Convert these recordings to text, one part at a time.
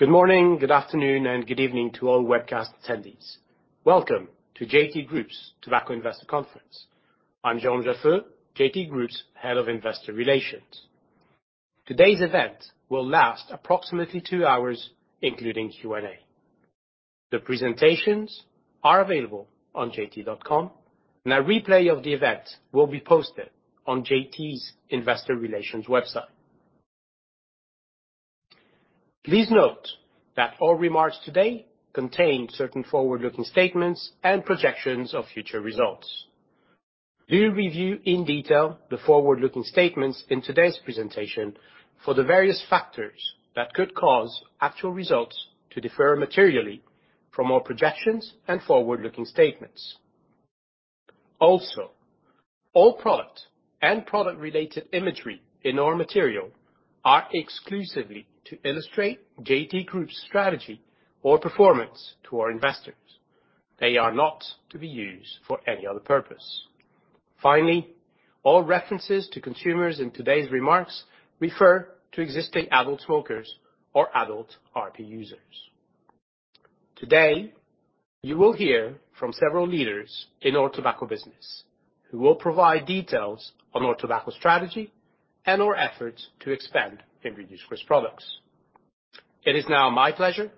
Good morning, good afternoon, and good evening to all webcast attendees. Welcome to JT Group's Tobacco Investor Conference. I'm Jerome Jauffret, JT Group's Head of Investor Relations. Today's event will last approximately two hours, including Q&A. The presentations are available on jt.com, and a replay of the event will be posted on JT's Investor Relations website. Please note that all remarks today contain certain forward-looking statements and projections of future results. We'll review in detail the forward-looking statements in today's presentation for the various factors that could cause actual results to differ materially from our projections and forward-looking statements. Also, all product and product-related imagery in our material are exclusively to illustrate JT Group's strategy or performance to our investors. They are not to be used for any other purpose. Finally, all references to consumers in today's remarks refer to existing adult smokers or adult RP users. Today, you will hear from several leaders in our tobacco business who will provide details on our tobacco strategy and our efforts to expand and produce Reduced-Risk Products. It is now my pleasure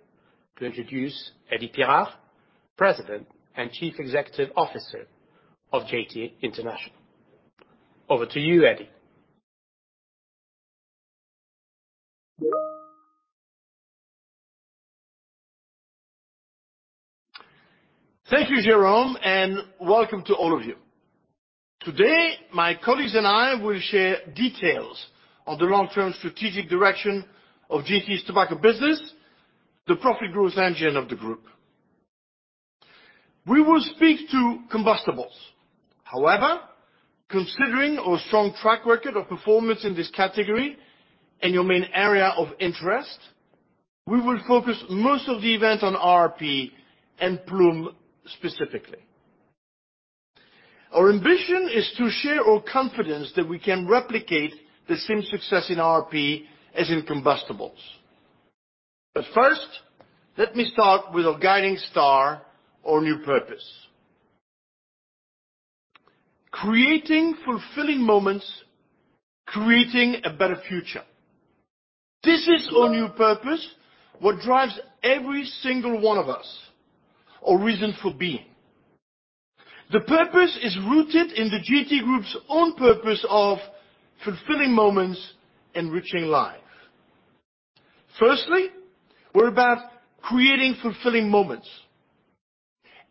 to introduce Eddy Pirard, President and Chief Executive Officer of JT International. Over to you, Eddy. Thank you, Jerome, and welcome to all of you. Today, my colleagues and I will share details on the long-term strategic direction of JT's tobacco business, the profit growth engine of the group. We will speak to combustibles. However, considering our strong track record of performance in this category and your main area of interest, we will focus most of the event on RP and Ploom specifically. Our ambition is to share our confidence that we can replicate the same success in RP as in combustibles. But first, let me start with our guiding star, our new purpose: creating fulfilling moments, creating a better future. This is our new purpose, what drives every single one of us, our reason for being. The purpose is rooted in the JT Group's own purpose of fulfilling moments enriching life. Firstly, we're about creating fulfilling moments.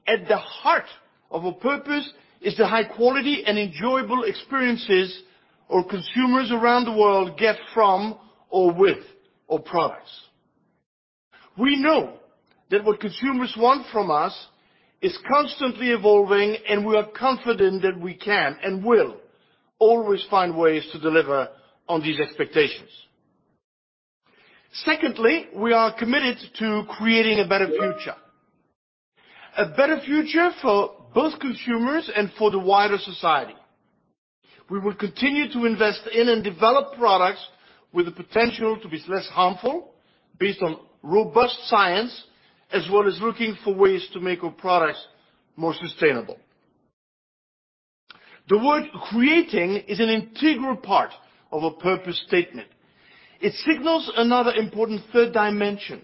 At the heart of our purpose is the high-quality and enjoyable experiences our consumers around the world get from or with our products. We know that what consumers want from us is constantly evolving, and we are confident that we can and will always find ways to deliver on these expectations. Secondly, we are committed to creating a better future, a better future for both consumers and for the wider society. We will continue to invest in and develop products with the potential to be less harmful, based on robust science, as well as looking for ways to make our products more sustainable. The word "creating" is an integral part of our purpose statement. It signals another important third dimension.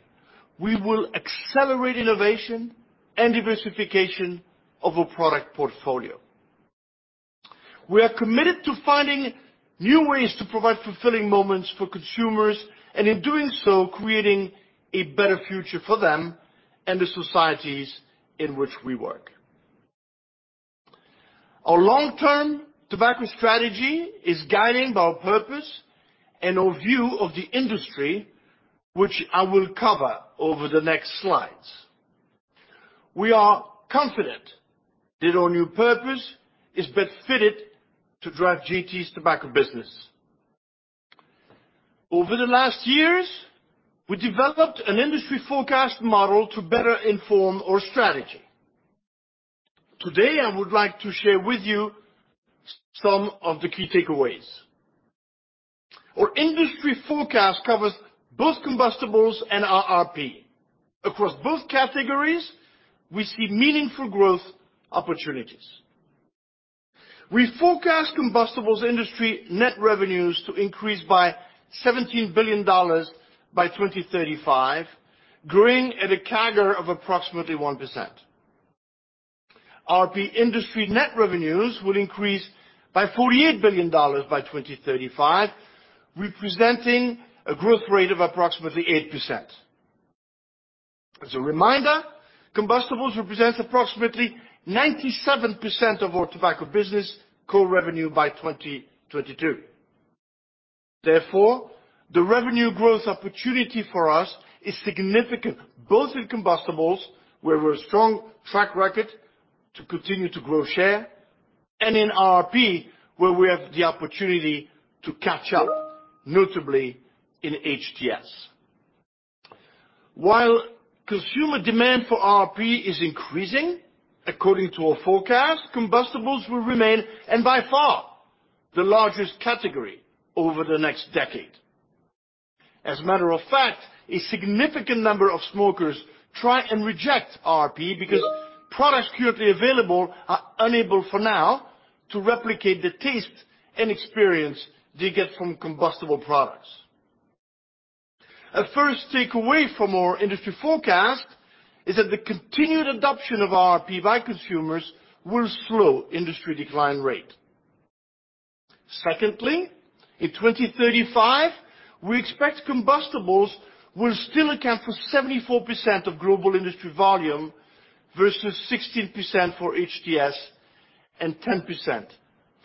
We will accelerate innovation and diversification of our product portfolio. We are committed to finding new ways to provide fulfilling moments for consumers and, in doing so, creating a better future for them and the societies in which we work. Our long-term tobacco strategy is guided by our purpose and our view of the industry, which I will cover over the next slides. We are confident that our new purpose is best fitted to drive JT's tobacco business. Over the last years, we developed an industry forecast model to better inform our strategy. Today, I would like to share with you some of the key takeaways. Our industry forecast covers both combustibles and RRP. Across both categories, we see meaningful growth opportunities. We forecast combustibles industry net revenues to increase by $17 billion by 2035, growing at a CAGR of approximately 1%. RP industry net revenues will increase by $48 billion by 2035, representing a growth rate of approximately 8%. As a reminder, combustibles represent approximately 97% of our tobacco business core revenue by 2022. Therefore, the revenue growth opportunity for us is significant, both in combustibles, where we have a strong track record to continue to grow share, and in RP, where we have the opportunity to catch up, notably in HTS. While consumer demand for RP is increasing, according to our forecast, combustibles will remain and by far the largest category over the next decade. As a matter of fact, a significant number of smokers try and reject RP because products currently available are unable, for now, to replicate the taste and experience they get from combustible products. A first takeaway from our industry forecast is that the continued adoption of RP by consumers will slow industry decline rate. Secondly, in 2035, we expect combustibles will still account for 74% of global industry volume versus 16% for HTS and 10%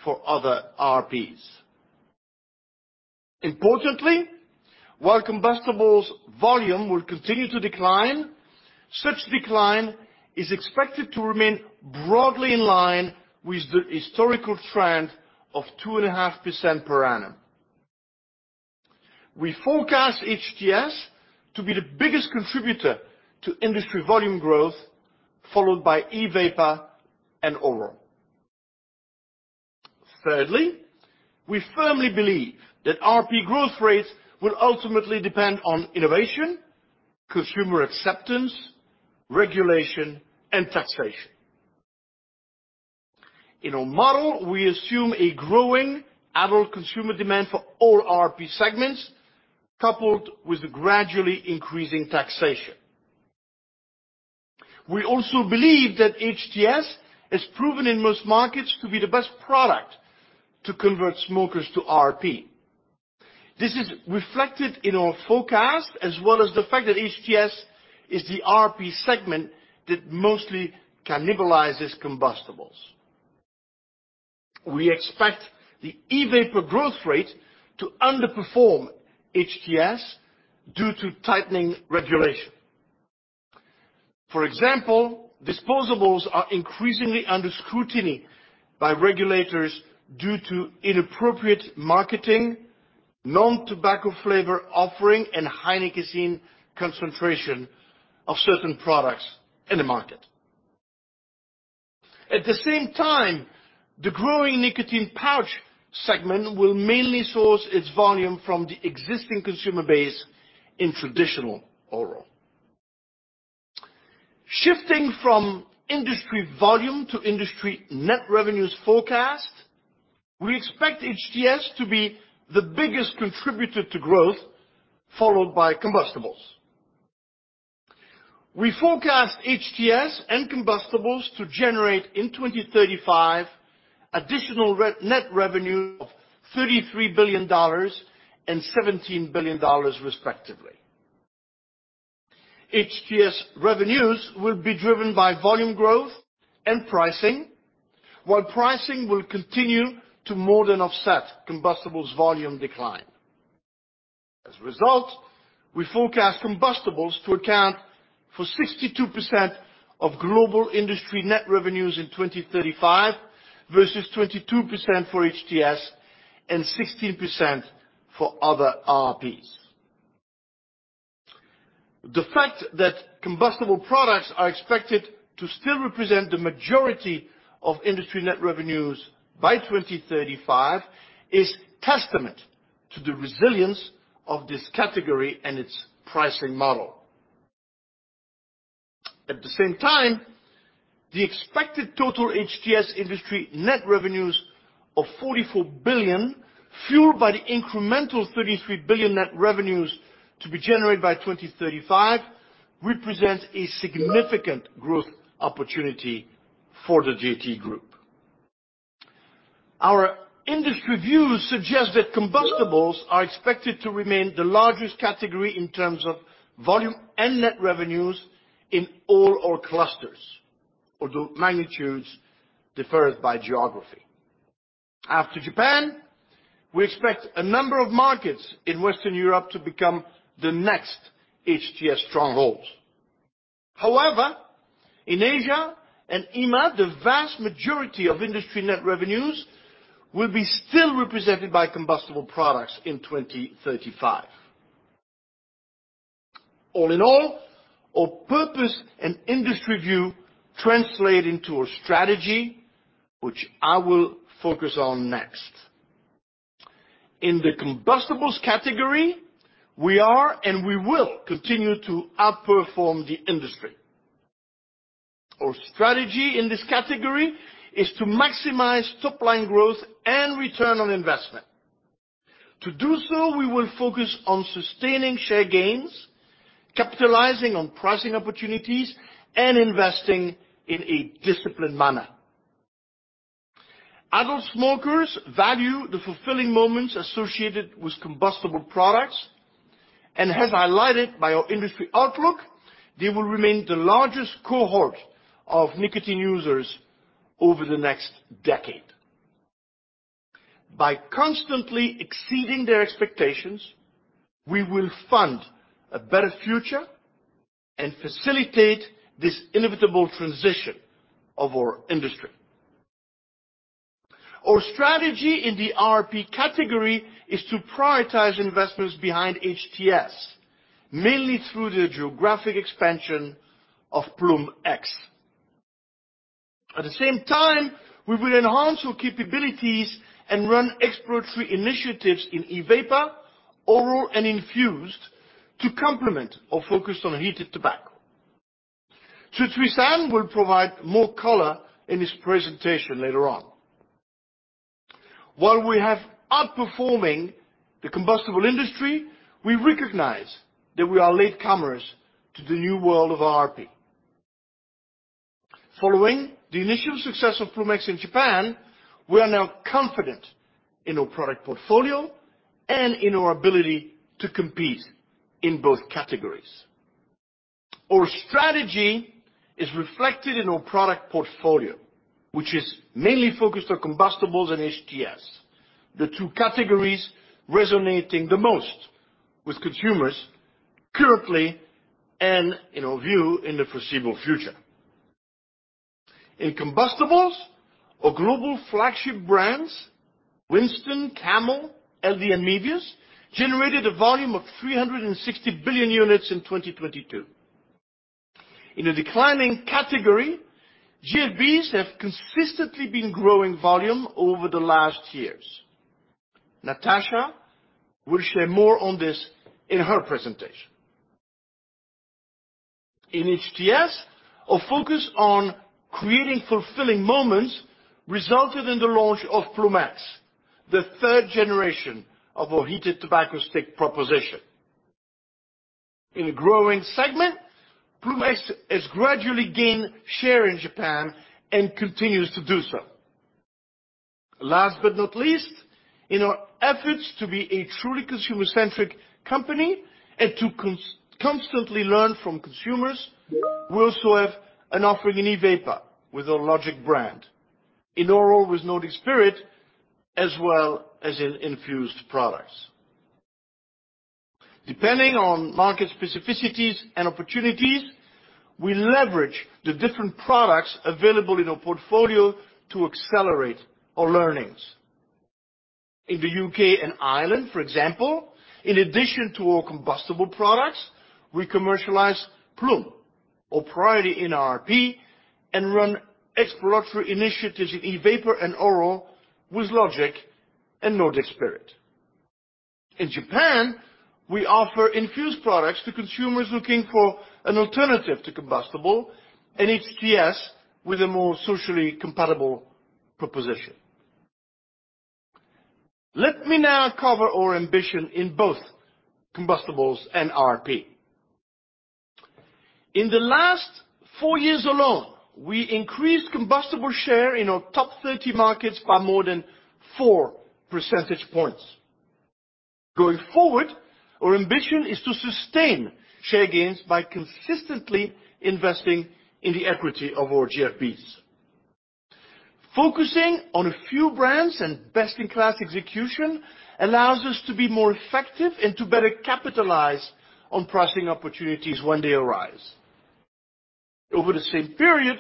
for other RPs. Importantly, while combustibles volume will continue to decline, such decline is expected to remain broadly in line with the historical trend of 2.5% per annum. We forecast HTS to be the biggest contributor to industry volume growth, followed by E-Vapor and Oral. Thirdly, we firmly believe that RP growth rates will ultimately depend on innovation, consumer acceptance, regulation, and taxation. In our model, we assume a growing adult consumer demand for all RP segments, coupled with the gradually increasing taxation. We also believe that HTS has proven in most markets to be the best product to convert smokers to RP. This is reflected in our forecast, as well as the fact that HTS is the RP segment that mostly cannibalizes combustibles. We expect the E-Vapor growth rate to underperform HTS due to tightening regulation. For example, disposables are increasingly under scrutiny by regulators due to inappropriate marketing, non-tobacco flavor offering, and high nicotine concentration of certain products in the market. At the same time, the growing nicotine pouch segment will mainly source its volume from the existing consumer base in traditional Oral. Shifting from industry volume to industry net revenues forecast, we expect HTS to be the biggest contributor to growth, followed by combustibles. We forecast HTS and combustibles to generate in 2035 additional net revenue of $33 billion and $17 billion, respectively. HTS revenues will be driven by volume growth and pricing, while pricing will continue to more than offset combustibles volume decline. As a result, we forecast combustibles to account for 62% of global industry net revenues in 2035 versus 22% for HTS and 16% for other RPs. The fact that combustible products are expected to still represent the majority of industry net revenues by 2035 is a testament to the resilience of this category and its pricing model. At the same time, the expected total HTS industry net revenues of $44 billion, fueled by the incremental $33 billion net revenues to be generated by 2035, represents a significant growth opportunity for the JT Group. Our industry views suggest that combustibles are expected to remain the largest category in terms of volume and net revenues in all our clusters, although magnitudes differ by geography. After Japan, we expect a number of markets in Western Europe to become the next HTS strongholds. However, in Asia and EMEA, the vast majority of industry net revenues will be still represented by combustible products in 2035. All in all, our purpose and industry view translate into our strategy, which I will focus on next. In the combustibles category, we are and we will continue to outperform the industry. Our strategy in this category is to maximize top-line growth and return on investment. To do so, we will focus on sustaining share gains, capitalizing on pricing opportunities, and investing in a disciplined manner. Adult smokers value the fulfilling moments associated with combustible products, and as highlighted by our industry outlook, they will remain the largest cohort of nicotine users over the next decade. By constantly exceeding their expectations, we will fund a better future and facilitate this inevitable transition of our industry. Our strategy in the RP category is to prioritize investments behind HTS, mainly through the geographic expansion of Ploom X. At the same time, we will enhance our capabilities and run exploratory initiatives in E-Vapor, Oral, and Infused to complement our focus on heated tobacco. Takehiko Tsutsui will provide more color in his presentation later on. While we have outperformed the combustible industry, we recognize that we are latecomers to the new world of RP. Following the initial success of Ploom X in Japan, we are now confident in our product portfolio and in our ability to compete in both categories. Our strategy is reflected in our product portfolio, which is mainly focused on combustibles and HTS, the two categories resonating the most with consumers currently and in our view in the foreseeable future. In combustibles, our Global Flagship Brands, Winston, Camel, LD, and Mevius, generated a volume of 360 billion units in 2022. In the declining category, GFBs have consistently been growing volume over the last years. Natasa will share more on this in her presentation. In HTS, our focus on creating fulfilling moments resulted in the launch of Ploom X, the third generation of our heated tobacco stick proposition. In a growing segment, Ploom X has gradually gained share in Japan and continues to do so. Last but not least, in our efforts to be a truly consumer-centric company and to constantly learn from consumers, we also have an offering in E-Vapor with our Logic brand, in Oral with Nordic Spirit, as well as in Infused products. Depending on market specificities and opportunities, we leverage the different products available in our portfolio to accelerate our learnings. In the U.K. and Ireland, for example, in addition to our combustible products, we commercialize Ploom, our priority in RP, and run exploratory initiatives in E-Vapor and Oral with Logic and Nordic Spirit. In Japan, we offer Infused products to consumers looking for an alternative to combustible and HTS with a more socially compatible proposition. Let me now cover our ambition in both combustibles and RP. In the last four years alone, we increased combustible share in our top 30 markets by more than 4 percentage points. Going forward, our ambition is to sustain share gains by consistently investing in the equity of our GFBs. Focusing on a few brands and best-in-class execution allows us to be more effective and to better capitalize on pricing opportunities when they arise. Over the same period,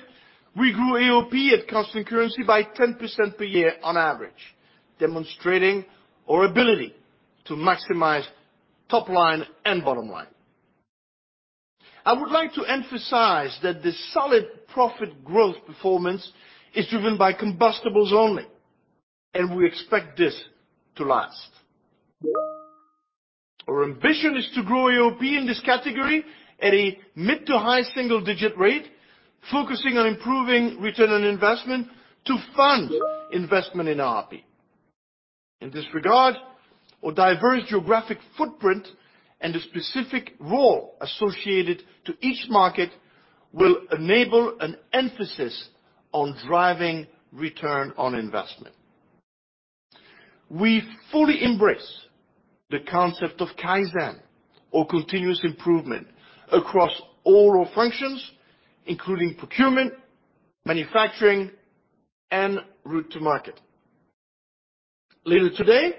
we grew AOP at constant currency by 10% per year on average, demonstrating our ability to maximize top line and bottom line. I would like to emphasize that the solid profit growth performance is driven by combustibles only, and we expect this to last. Our ambition is to grow AOP in this category at a mid to high single-digit rate, focusing on improving return on investment to fund investment in RP. In this regard, our diverse geographic footprint and the specific role associated to each market will enable an emphasis on driving return on investment. We fully embrace the concept of Kaizen, or continuous improvement, across all our functions, including procurement, manufacturing, and route to market. Later today,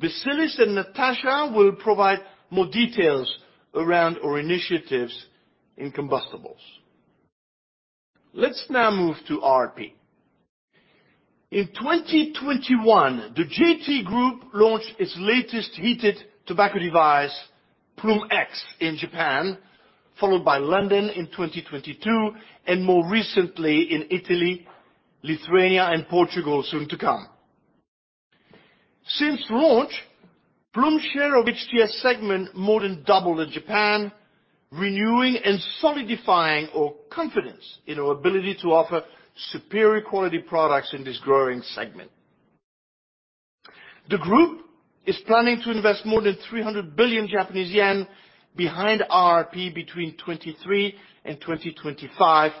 Vassilis and Natasa will provide more details around our initiatives in combustibles. Let's now move to RP. In 2021, the JT Group launched its latest heated tobacco device, Ploom X, in Japan, followed by London in 2022, and more recently in Italy, Lithuania, and Portugal soon to come. Since launch, Ploom's share of HTS segment more than doubled in Japan, renewing and solidifying our confidence in our ability to offer superior quality products in this growing segment. The group is planning to invest more than 300 billion Japanese yen behind RP between 2023 and 2025,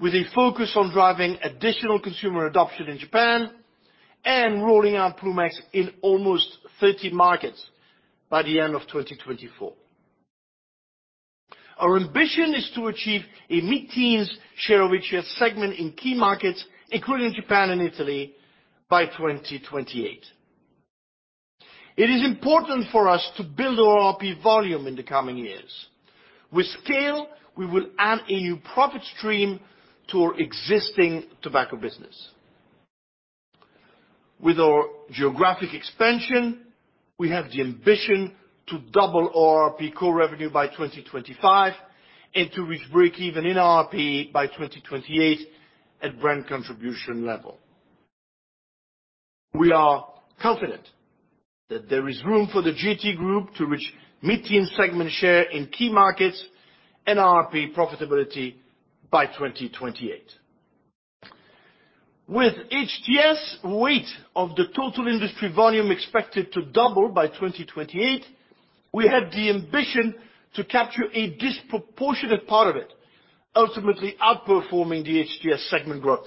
with a focus on driving additional consumer adoption in Japan and rolling out Ploom X in almost 30 markets by the end of 2024. Our ambition is to achieve a mid-teens share of HTS segment in key markets, including Japan and Italy, by 2028. It is important for us to build our RP volume in the coming years. With scale, we will add a new profit stream to our existing tobacco business. With our geographic expansion, we have the ambition to double our RP core revenue by 2025 and to reach break-even in RP by 2028 at Brand Contribution level. We are confident that there is room for the JT Group to reach mid-teens segment share in key markets and RP profitability by 2028. With HTS weight of the total industry volume expected to double by 2028, we have the ambition to capture a disproportionate part of it, ultimately outperforming the HTS segment growth.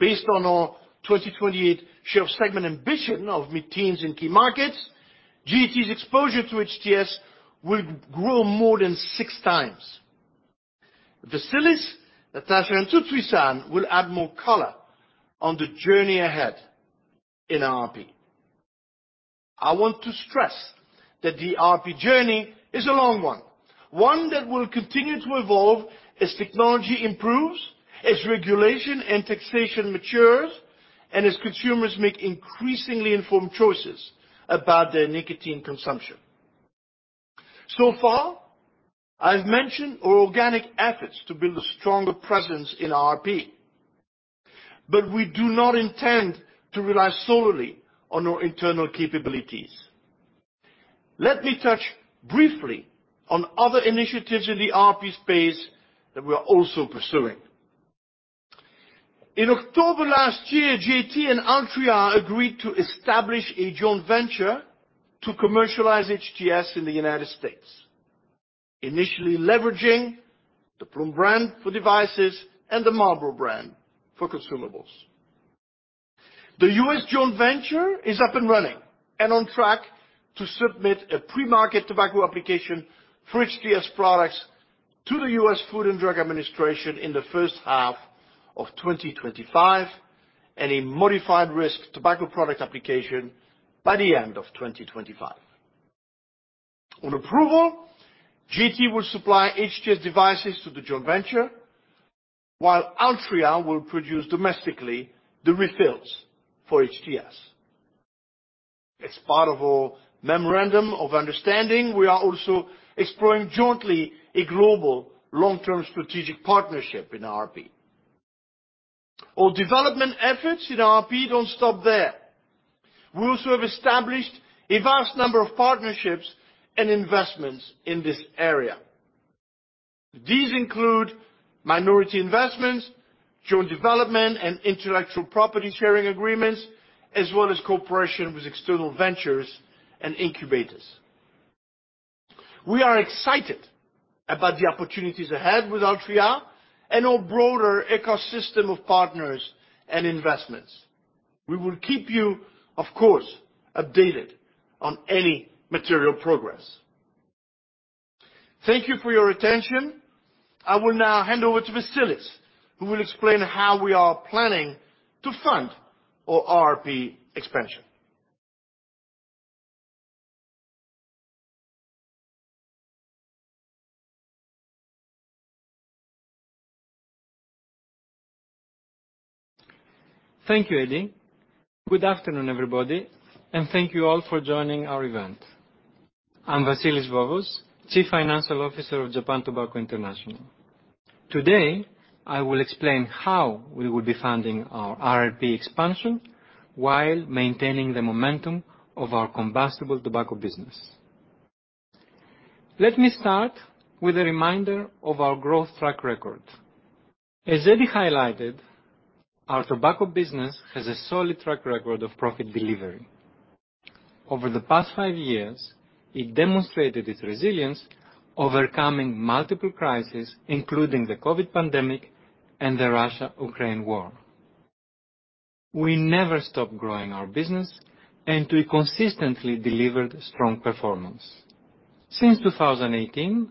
Based on our 2028 share of segment ambition of mid-teens in key markets, JT's exposure to HTS will grow more than six times. Vassilis, Natasa, and Takehiko Tsutsui will add more color on the journey ahead in RP. I want to stress that the RP journey is a long one, one that will continue to evolve as technology improves, as regulation and taxation matures, and as consumers make increasingly informed choices about their nicotine consumption. So far, I've mentioned our organic efforts to build a stronger presence in RP, but we do not intend to rely solely on our internal capabilities. Let me touch briefly on other initiatives in the RP space that we are also pursuing. In October last year, JT and Altria agreed to establish a joint venture to commercialize HTS in the United States, initially leveraging the Ploom brand for devices and the Marlboro brand for consumables. The U.S. joint venture is up and running and on track to submit a Pre-Market Tobacco Application for HTS products to the U.S. Food and Drug Administration in the first half of 2025 and a Modified Risk Tobacco Product Application by the end of 2025. On approval, JT will supply HTS devices to the joint venture, while Altria will produce domestically the refills for HTS. As part of our memorandum of understanding, we are also exploring jointly a global long-term strategic partnership in RRP. Our development efforts in RP don't stop there. We also have established a vast number of partnerships and investments in this area. These include minority investments, joint development and intellectual property sharing agreements, as well as cooperation with external ventures and incubators. We are excited about the opportunities ahead with Altria and our broader ecosystem of partners and investments. We will keep you, of course, updated on any material progress. Thank you for your attention. I will now hand over to Vassilis, who will explain how we are planning to fund our RP expansion. Thank you, Eddy. Good afternoon, everybody, and thank you all for joining our event. I'm Vassilis Vovos, Chief Financial Officer of Japan Tobacco International. Today, I will explain how we will be funding our RP expansion while maintaining the momentum of our combustible tobacco business. Let me start with a reminder of our growth track record. As Eddy highlighted, our tobacco business has a solid track record of profit delivery. Over the past five years, it demonstrated its resilience overcoming multiple crises, including the COVID pandemic and the Russia-Ukraine war. We never stopped growing our business and consistently delivered strong performance. Since 2018,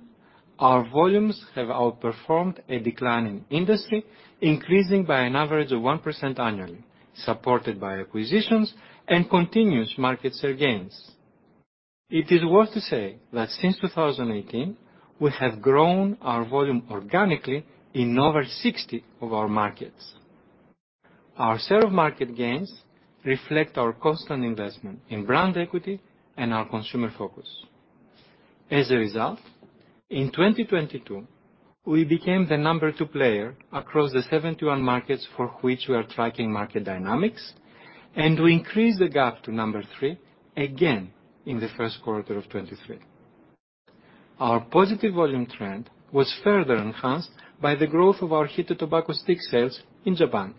our volumes have outperformed a declining industry, increasing by an average of 1% annually, supported by acquisitions and continuous market share gains. It is worth to say that since 2018, we have grown our volume organically in over 60 of our markets. Our share of market gains reflect our constant investment in brand equity and our consumer focus. As a result, in 2022, we became the number two player across the 71 markets for which we are tracking market dynamics, and we increased the gap to number three again in the first quarter of 2023. Our positive volume trend was further enhanced by the growth of our heated tobacco stick sales in Japan.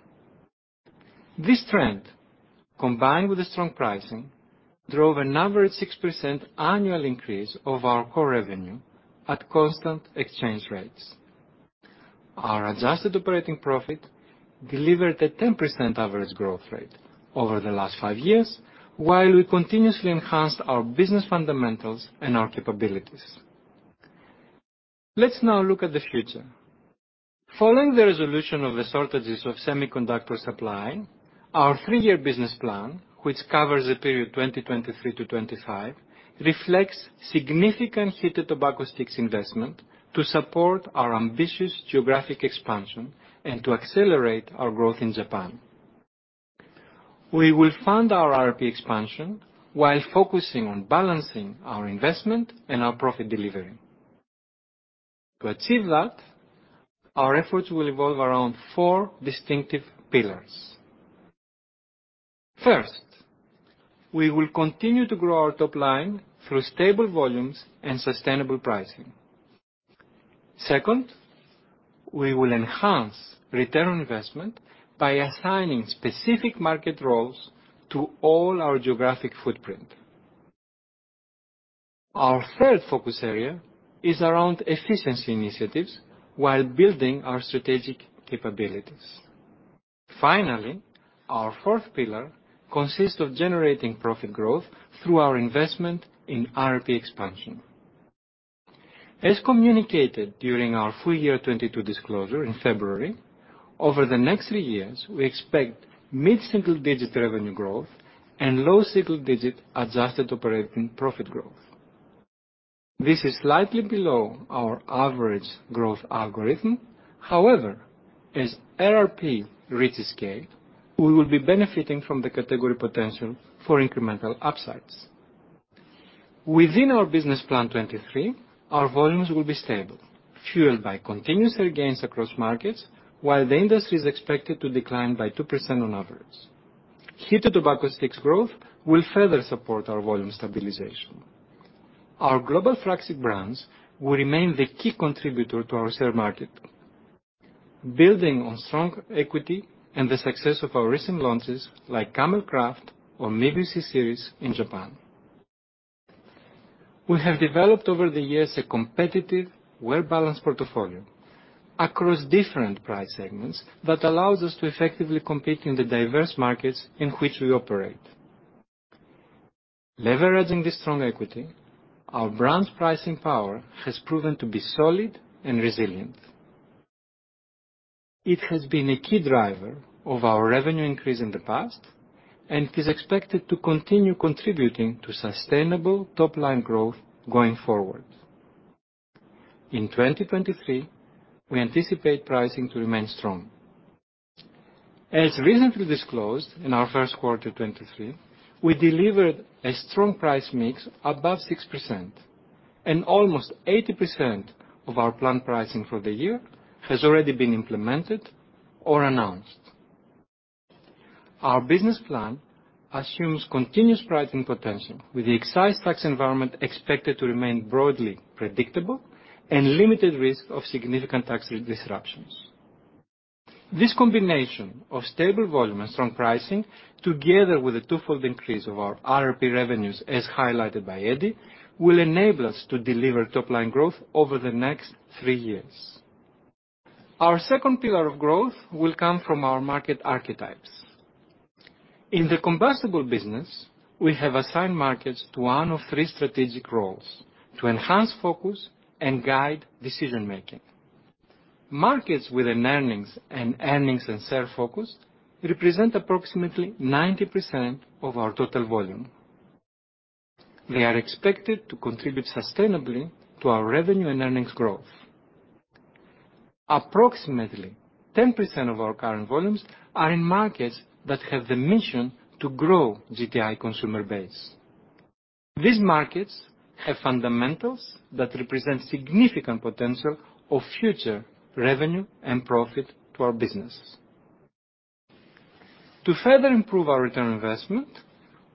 This trend, combined with strong pricing, drove an average 6% annual increase of our core revenue at constant exchange rates. Our adjusted operating profit delivered a 10% average growth rate over the last five years, while we continuously enhanced our business fundamentals and our capabilities. Let's now look at the future. Following the resolution of the shortages of semiconductor supply, our three-year business plan, which covers the period 2023 to 2025, reflects significant heated tobacco sticks investment to support our ambitious geographic expansion and to accelerate our growth in Japan. We will fund our RP expansion while focusing on balancing our investment and our profit delivery. To achieve that, our efforts will evolve around four distinctive pillars. First, we will continue to grow our top line through stable volumes and sustainable pricing. Second, we will enhance return on investment by assigning specific market roles to all our geographic footprint. Our third focus area is around efficiency initiatives while building our strategic capabilities. Finally, our fourth pillar consists of generating profit growth through our investment in RP expansion. As communicated during our full year 2022 disclosure in February, over the next three years, we expect mid-single-digit revenue growth and low-single-digit adjusted operating profit growth. This is slightly below our average growth algorithm. However, as RRP reaches scale, we will be benefiting from the category potential for incremental upsides. Within our business plan 2023, our volumes will be stable, fueled by continuous share gains across markets, while the industry is expected to decline by 2% on average. Heated tobacco sticks growth will further support our volume stabilization. Our Global Flagship Brands will remain the key contributor to our market share, building on strong equity and the success of our recent launches like Camel Craft or Mevius E-Series in Japan. We have developed over the years a competitive, well-balanced portfolio across different price segments that allows us to effectively compete in the diverse markets in which we operate. Leveraging this strong equity, our brands' pricing power has proven to be solid and resilient. It has been a key driver of our revenue increase in the past, and it is expected to continue contributing to sustainable top line growth going forward. In 2023, we anticipate pricing to remain strong. As recently disclosed in our first quarter 2023, we delivered a strong price mix above 6%, and almost 80% of our planned pricing for the year has already been implemented or announced. Our business plan assumes continuous pricing potential, with the excise tax environment expected to remain broadly predictable and limited risk of significant tax disruptions. This combination of stable volume and strong pricing, together with the twofold increase of our RP revenues, as highlighted by Eddy, will enable us to deliver top line growth over the next three years. Our second pillar of growth will come from our market archetypes. In the combustible business, we have assigned markets to one of three strategic roles to enhance focus and guide decision-making. Markets with an earnings and share focus represent approximately 90% of our total volume. They are expected to contribute sustainably to our revenue and earnings growth. Approximately 10% of our current volumes are in markets that have the mission to grow JTI consumer base. These markets have fundamentals that represent significant potential of future revenue and profit to our business. To further improve our return on investment,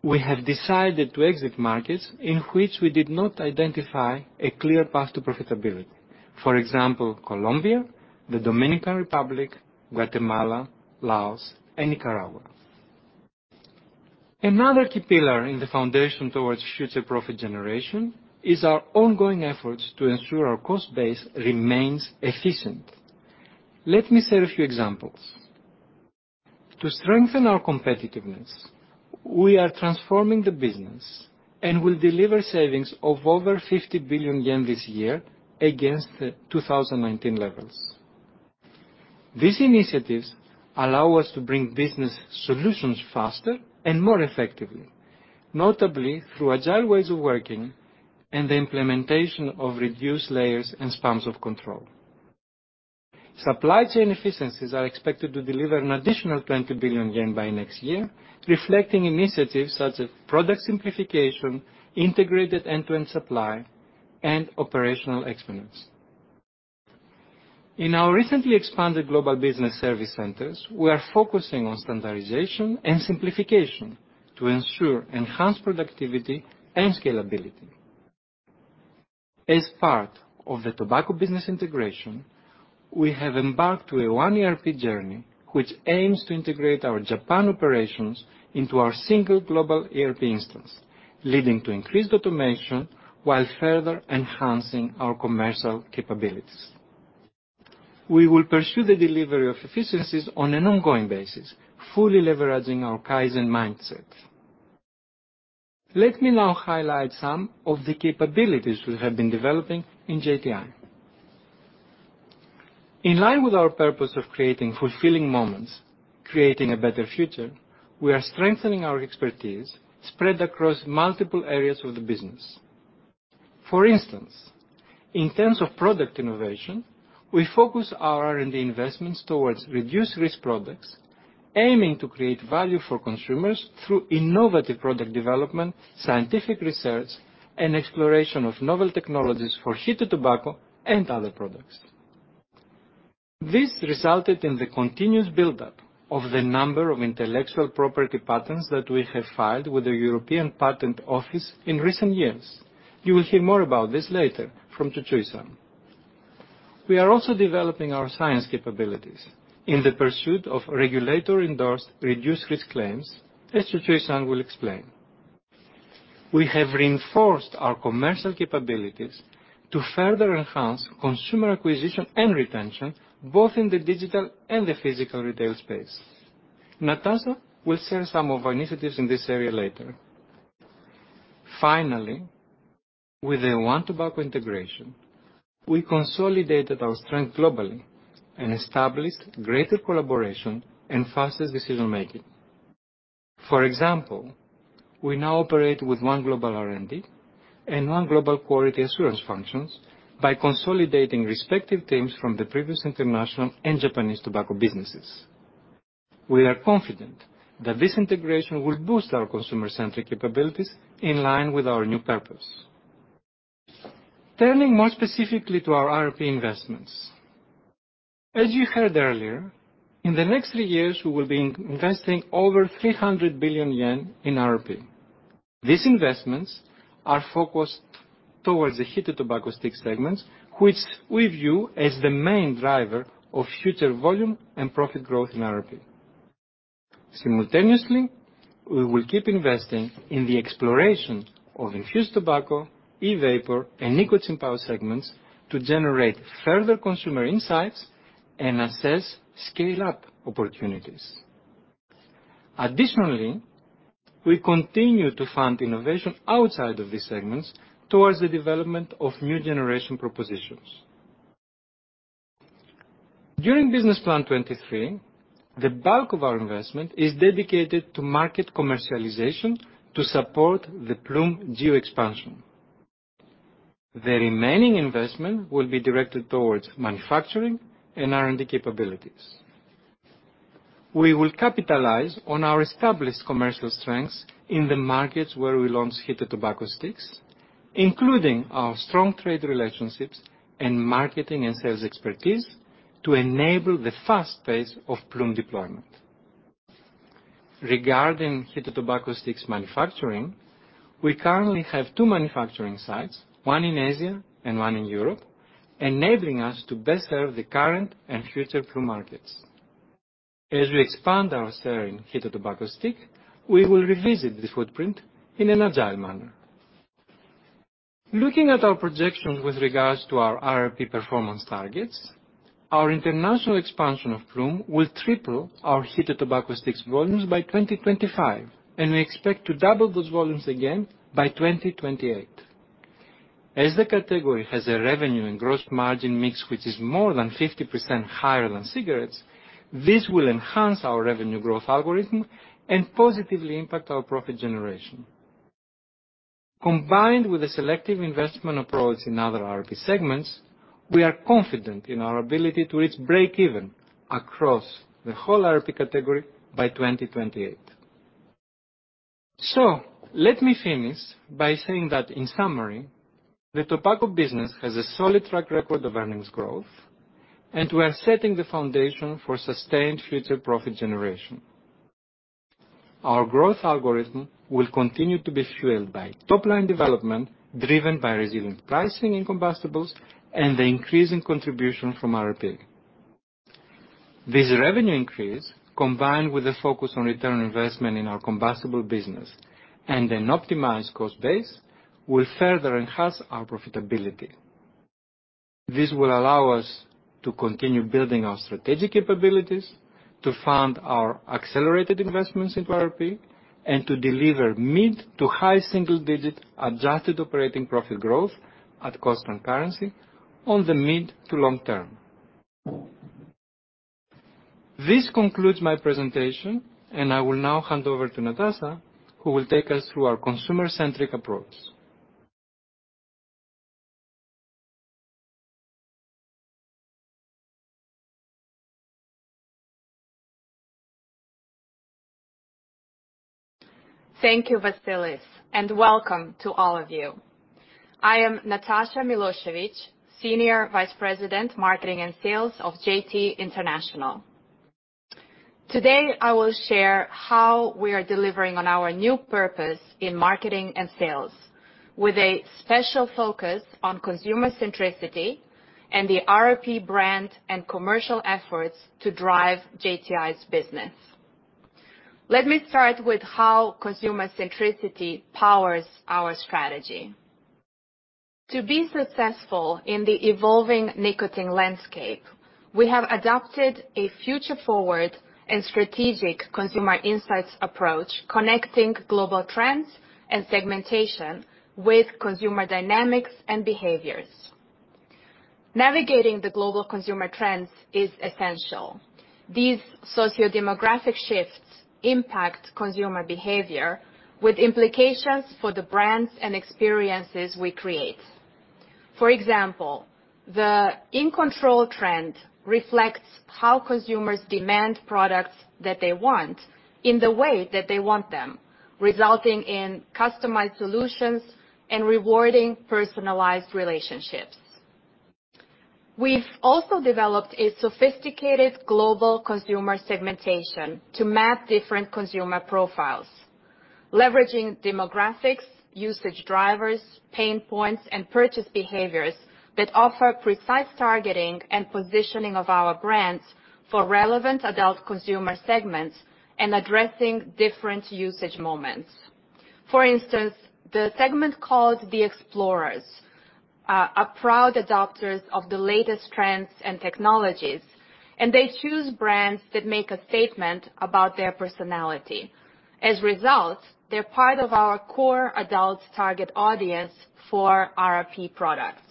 we have decided to exit markets in which we did not identify a clear path to profitability, for example, Colombia, the Dominican Republic, Guatemala, Laos, and Nicaragua. Another key pillar in the foundation towards future profit generation is our ongoing efforts to ensure our cost base remains efficient. Let me share a few examples. To strengthen our competitiveness, we are transforming the business and will deliver savings of over 50 billion yen this year against the 2019 levels. These initiatives allow us to bring business solutions faster and more effectively, notably through agile ways of working and the implementation of reduced layers and spans of control. Supply chain efficiencies are expected to deliver an additional 20 billion yen by next year, reflecting initiatives such as product simplification, integrated end-to-end supply, and operational excellence. In our recently expanded global business service centers, we are focusing on standardization and simplification to ensure enhanced productivity and scalability. As part of the tobacco business integration, we have embarked on a One ERP journey which aims to integrate our Japan operations into our single global ERP instance, leading to increased automation while further enhancing our commercial capabilities. We will pursue the delivery of efficiencies on an ongoing basis, fully leveraging our Kaizen mindset. Let me now highlight some of the capabilities we have been developing in JTI. In line with our purpose of creating fulfilling moments, creating a better future, we are strengthening our expertise spread across multiple areas of the business. For instance, in terms of product innovation, we focus our R&D investments towards reduced risk products, aiming to create value for consumers through innovative product development, scientific research, and exploration of novel technologies for heated tobacco and other products. This resulted in the continuous build-up of the number of intellectual property patents that we have filed with the European Patent Office in recent years. You will hear more about this later from Tsutsui-san. We are also developing our science capabilities in the pursuit of regulator-endorsed reduced risk claims, as Tsutsui-san will explain. We have reinforced our commercial capabilities to further enhance consumer acquisition and retention, both in the digital and the physical retail space. Natasa will share some of our initiatives in this area later. Finally, with the One Tobacco Integration, we consolidated our strength globally and established greater collaboration and fastest decision-making. For example, we now operate with One Global R&D and One Global Quality Assurance functions by consolidating respective teams from the previous international and Japanese tobacco businesses. We are confident that this integration will boost our consumer-centric capabilities in line with our new purpose. Turning more specifically to our RP investments. As you heard earlier, in the next three years, we will be investing over 300 billion yen in RP. These investments are focused towards the heated tobacco stick segments, which we view as the main driver of future volume and profit growth in RP. Simultaneously, we will keep investing in the exploration of Infused Tobacco, E-Vapor, and nicotine pouch segments to generate further consumer insights and assess scale-up opportunities. Additionally, we continue to fund innovation outside of these segments towards the development of new generation propositions. During business plan 2023, the bulk of our investment is dedicated to market commercialization to support the Ploom geo-expansion. The remaining investment will be directed towards manufacturing and R&D capabilities. We will capitalize on our established commercial strengths in the markets where we launch heated tobacco sticks, including our strong trade relationships and marketing and sales expertise to enable the fast pace of Ploom deployment. Regarding heated tobacco sticks manufacturing, we currently have two manufacturing sites, one in Asia and one in Europe, enabling us to best serve the current and future Ploom markets. As we expand our share in heated tobacco stick, we will revisit the footprint in an agile manner. Looking at our projections with regards to our RP performance targets, our international expansion of Ploom will triple our heated tobacco sticks volumes by 2025, and we expect to double those volumes again by 2028. As the category has a revenue and gross margin mix which is more than 50% higher than cigarettes, this will enhance our revenue growth algorithm and positively impact our profit generation. Combined with the selective investment approach in other RP segments, we are confident in our ability to reach break-even across the whole RP category by 2028. So let me finish by saying that in summary, the tobacco business has a solid track record of earnings growth, and we are setting the foundation for sustained future profit generation. Our growth algorithm will continue to be fueled by top line development driven by resilient pricing in combustibles and the increasing contribution from RP. This revenue increase, combined with the focus on return on investment in our combustible business and an optimized cost base, will further enhance our profitability. This will allow us to continue building our strategic capabilities, to fund our accelerated investments into RP, and to deliver mid to high single-digit adjusted operating profit growth at cost and currency on the mid to long term. This concludes my presentation, and I will now hand over to Natasa, who will take us through our consumer-centric approach. Thank you, Vassilis, and welcome to all of you. I am Natasa Milosevic, Senior Vice President, Marketing and Sales of JT International. Today, I will share how we are delivering on our new purpose in marketing and sales, with a special focus on consumer-centricity and the RP brand and commercial efforts to drive JTI's business. Let me start with how consumer-centricity powers our strategy. To be successful in the evolving nicotine landscape, we have adopted a future-forward and strategic consumer insights approach, connecting global trends and segmentation with consumer dynamics and behaviors. Navigating the global consumer trends is essential. These sociodemographic shifts impact consumer behavior, with implications for the brands and experiences we create. For example, the In-Control trend reflects how consumers demand products that they want in the way that they want them, resulting in customized solutions and rewarding personalized relationships. We've also developed a sophisticated global consumer segmentation to map different consumer profiles, leveraging demographics, usage drivers, pain points, and purchase behaviors that offer precise targeting and positioning of our brands for relevant adult consumer segments and addressing different usage moments. For instance, the segment called the Explorers are proud adopters of the latest trends and technologies, and they choose brands that make a statement about their personality. As a result, they're part of our core adult target audience for RP products.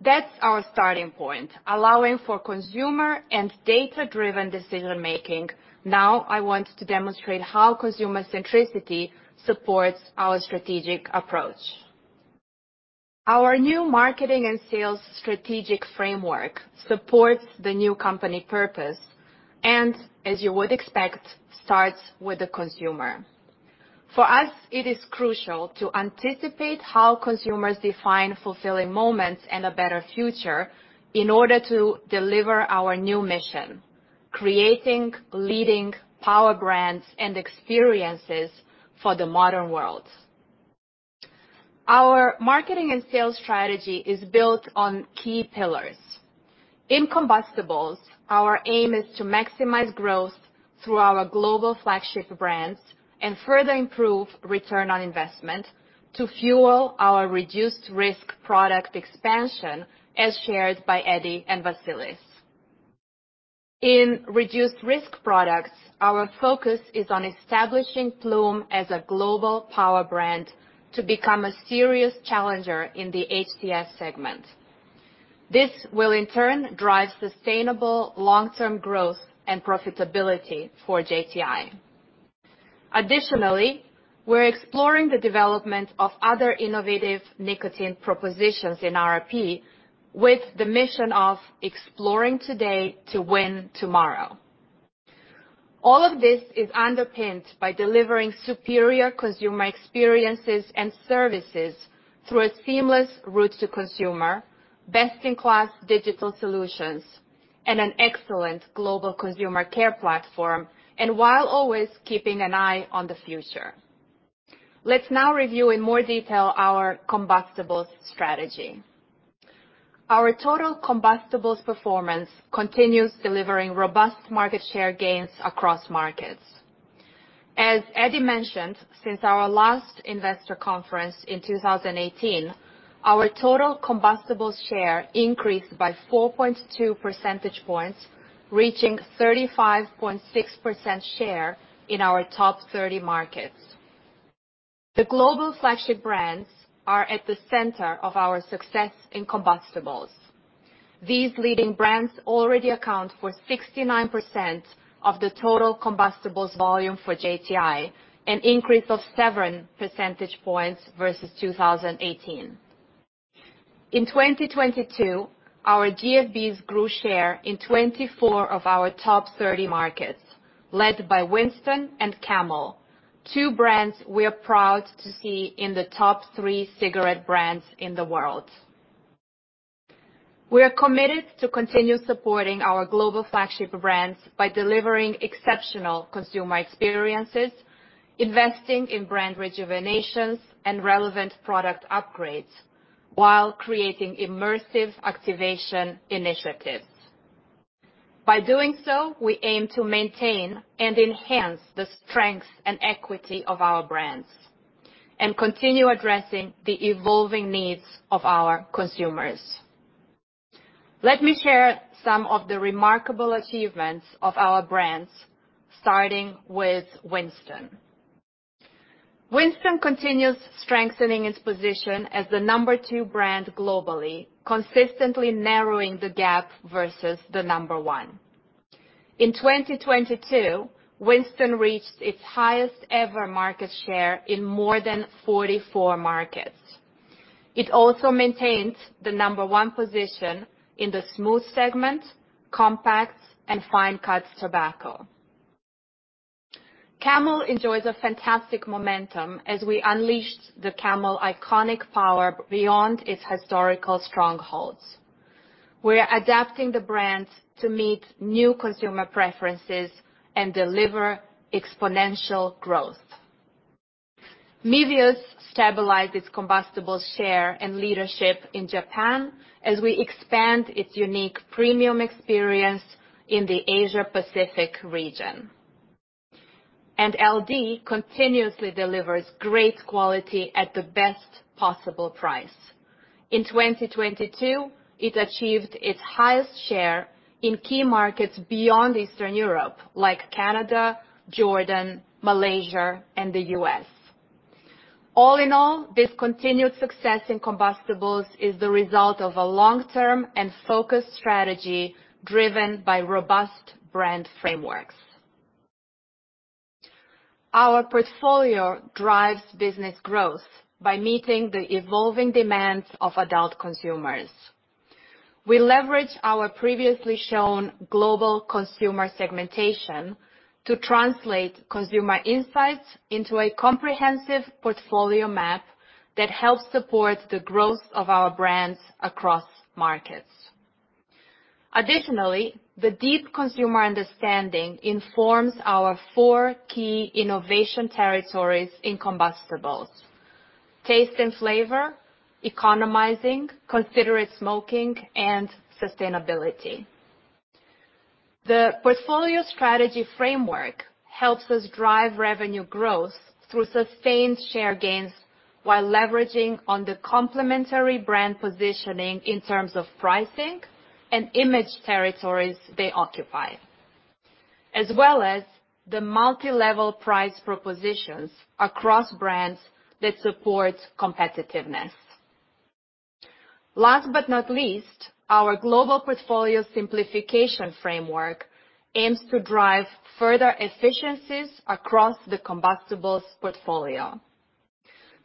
That's our starting point, allowing for consumer and data-driven decision-making. Now, I want to demonstrate how consumer-centricity supports our strategic approach. Our new marketing and sales strategic framework supports the new company purpose, and as you would expect, starts with the consumer. For us, it is crucial to anticipate how consumers define fulfilling moments and a better future in order to deliver our new mission: creating, leading power brands and experiences for the modern world. Our marketing and sales strategy is built on key pillars. In combustibles, our aim is to maximize growth through our Global Flagship Brands and further improve return on investment to fuel our reduced risk product expansion, as shared by Eddy and Vassilis. In reduced risk products, our focus is on establishing Ploom as a global power brand to become a serious challenger in the HTS segment. This will, in turn, drive sustainable long-term growth and profitability for JTI. Additionally, we're exploring the development of other innovative nicotine propositions in RP, with the mission of exploring today to win tomorrow. All of this is underpinned by delivering superior consumer experiences and services through a seamless route to consumer, best-in-class digital solutions, and an excellent global consumer care platform, and while always keeping an eye on the future. Let's now review in more detail our combustibles strategy. Our total combustibles performance continues delivering robust market share gains across markets. As Eddy mentioned, since our last investor conference in 2018, our total combustibles share increased by 4.2 percentage points, reaching 35.6% share in our top 30 markets. The Global Flagship Brands are at the center of our success in combustibles. These leading brands already account for 69% of the total combustibles volume for JTI, an increase of 7 percentage points versus 2018. In 2022, our GFBs grew share in 24 of our top 30 markets, led by Winston and Camel, two brands we are proud to see in the top three cigarette brands in the world. We are committed to continue supporting our Global Flagship Brands by delivering exceptional consumer experiences, investing in brand rejuvenations and relevant product upgrades, while creating immersive activation initiatives. By doing so, we aim to maintain and enhance the strength and equity of our brands and continue addressing the evolving needs of our consumers. Let me share some of the remarkable achievements of our brands, starting with Winston. Winston continues strengthening its position as the number two brand globally, consistently narrowing the gap versus the number one. In 2022, Winston reached its highest-ever market share in more than 44 markets. It also maintained the number one position in the Smooth segment, compacts, and fine-cut tobacco. Camel enjoys a fantastic momentum as we unleash the Camel iconic power beyond its historical strongholds. We're adapting the brand to meet new consumer preferences and deliver exponential growth. Mevius stabilized its combustibles share and leadership in Japan as we expand its unique premium experience in the Asia-Pacific region. And LD continuously delivers great quality at the best possible price. In 2022, it achieved its highest share in key markets beyond Eastern Europe, like Canada, Jordan, Malaysia, and the U.S. All in all, this continued success in combustibles is the result of a long-term and focused strategy driven by robust brand frameworks. Our portfolio drives business growth by meeting the evolving demands of adult consumers. We leverage our previously shown global consumer segmentation to translate consumer insights into a comprehensive portfolio map that helps support the growth of our brands across markets. Additionally, the deep consumer understanding informs our four key innovation territories in combustibles: taste and flavor, economizing, considerate smoking, and sustainability. The portfolio strategy framework helps us drive revenue growth through sustained share gains while leveraging on the complementary brand positioning in terms of pricing and image territories they occupy, as well as the multilevel price propositions across brands that support competitiveness. Last but not least, our global portfolio simplification framework aims to drive further efficiencies across the combustibles portfolio,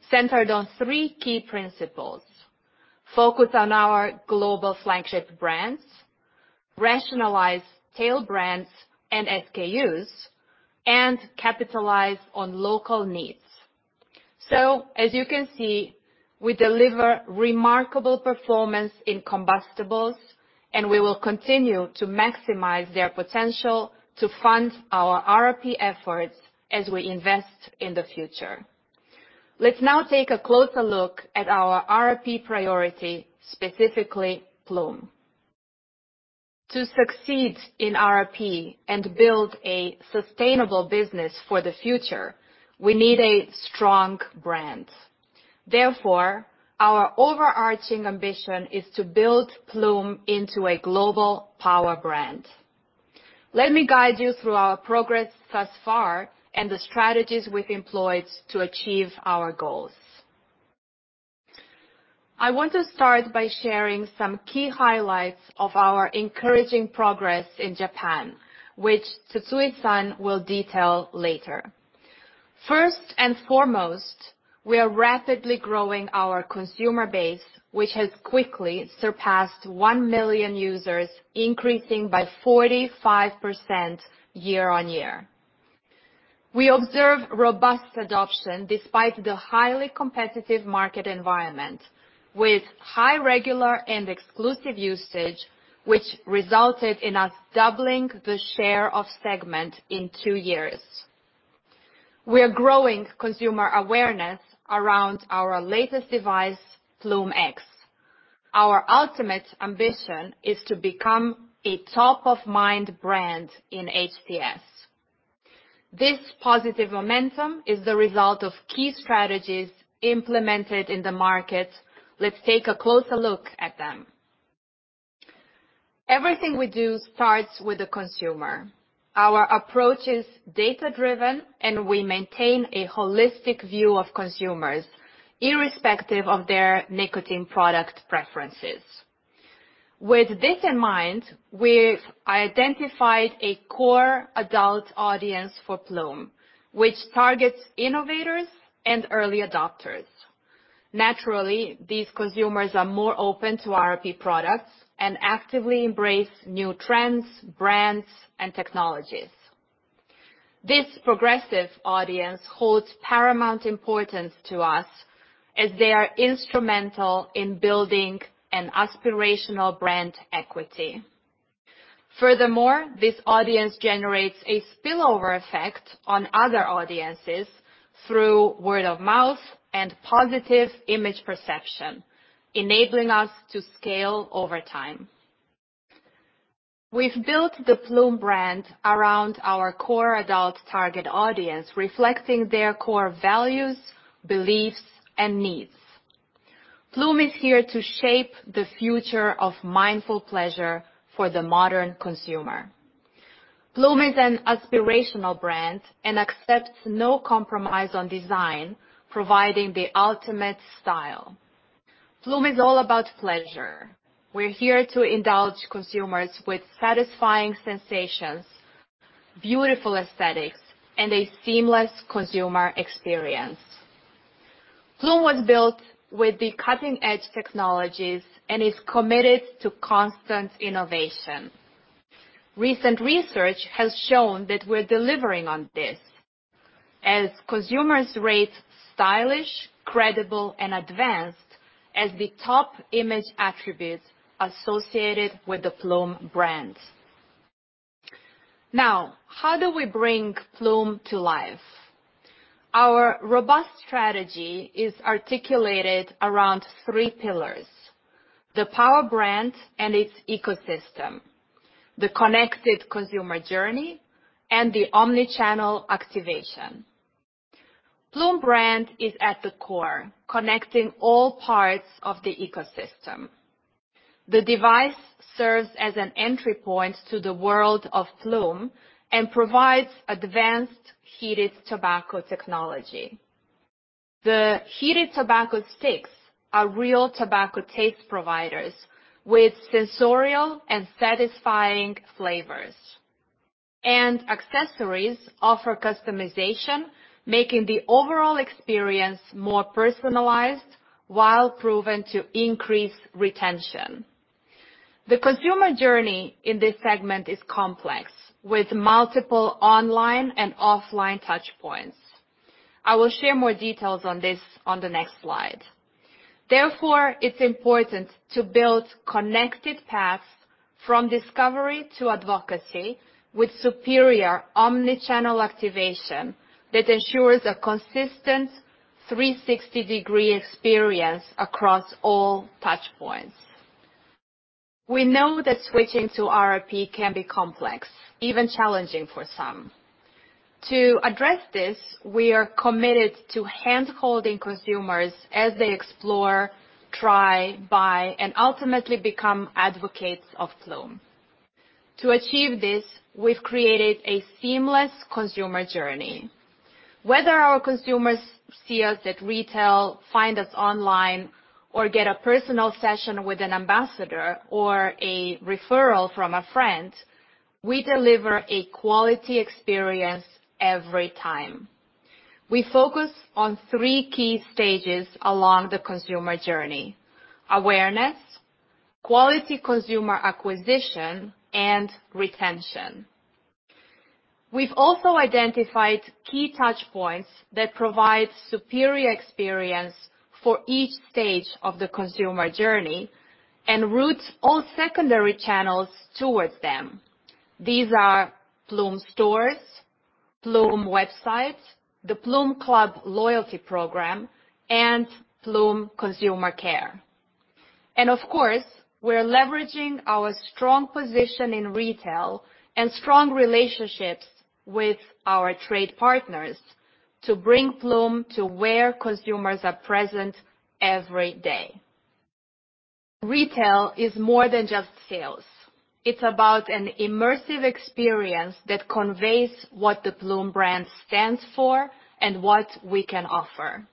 centered on three key principles: focus on our Global Flagship Brands, rationalize tail brands and SKUs, and capitalize on local needs. So, as you can see, we deliver remarkable performance in combustibles, and we will continue to maximize their potential to fund our RP efforts as we invest in the future. Let's now take a closer look at our RP priority, specifically Ploom. To succeed in RP and build a sustainable business for the future, we need a strong brand. Therefore, our overarching ambition is to build Ploom into a global power brand. Let me guide you through our progress thus far and the strategies we've employed to achieve our goals. I want to start by sharing some key highlights of our encouraging progress in Japan, which Tsutsui-san will detail later. First and foremost, we are rapidly growing our consumer base, which has quickly surpassed 1 million users, increasing by 45% year on year. We observe robust adoption despite the highly competitive market environment, with high regular and exclusive usage, which resulted in us doubling the share of segment in two years. We are growing consumer awareness around our latest device, Ploom X. Our ultimate ambition is to become a top-of-mind brand in HTS. This positive momentum is the result of key strategies implemented in the market. Let's take a closer look at them. Everything we do starts with the consumer. Our approach is data-driven, and we maintain a holistic view of consumers, irrespective of their nicotine product preferences. With this in mind, we've identified a core adult audience for Ploom, which targets innovators and early adopters. Naturally, these consumers are more open to RRP products and actively embrace new trends, brands, and technologies. This progressive audience holds paramount importance to us as they are instrumental in building an aspirational brand equity. Furthermore, this audience generates a spillover effect on other audiences through word of mouth and positive image perception, enabling us to scale over time. We've built the Ploom brand around our core adult target audience, reflecting their core values, beliefs, and needs. Ploom is here to shape the future of mindful pleasure for the modern consumer. Ploom is an aspirational brand and accepts no compromise on design, providing the ultimate style. Ploom is all about pleasure. We're here to indulge consumers with satisfying sensations, beautiful aesthetics, and a seamless consumer experience. Ploom was built with the cutting-edge technologies and is committed to constant innovation. Recent research has shown that we're delivering on this, as consumers rate stylish, credible, and advanced as the top image attributes associated with the Ploom brand. Now, how do we bring Ploom to life? Our robust strategy is articulated around three pillars: the power brand and its ecosystem, the connected consumer journey, and the omnichannel activation. Ploom brand is at the core, connecting all parts of the ecosystem. The device serves as an entry point to the world of Ploom and provides advanced heated tobacco technology. The heated tobacco sticks are real tobacco taste providers with sensorial and satisfying flavors, and accessories offer customization, making the overall experience more personalized while proven to increase retention. The consumer journey in this segment is complex, with multiple online and offline touchpoints. I will share more details on this on the next slide. Therefore, it's important to build connected paths from discovery to advocacy with superior omnichannel activation that ensures a consistent 360-degree experience across all touchpoints. We know that switching to RRP can be complex, even challenging for some. To address this, we are committed to handholding consumers as they explore, try, buy, and ultimately become advocates of Ploom. To achieve this, we've created a seamless consumer journey. Whether our consumers see us at retail, find us online, or get a personal session with an ambassador or a referral from a friend, we deliver a quality experience every time. We focus on three key stages along the consumer journey: awareness, quality consumer acquisition, and retention. We've also identified key touchpoints that provide superior experience for each stage of the consumer journey and route all secondary channels towards them. These are Ploom stores, Ploom websites, the Ploom Club loyalty program, and Ploom Consumer Care. And of course, we're leveraging our strong position in retail and strong relationships with our trade partners to bring Ploom to where consumers are present every day. Retail is more than just sales. It's about an immersive experience that conveys what the Ploom brand stands for and what we can offer.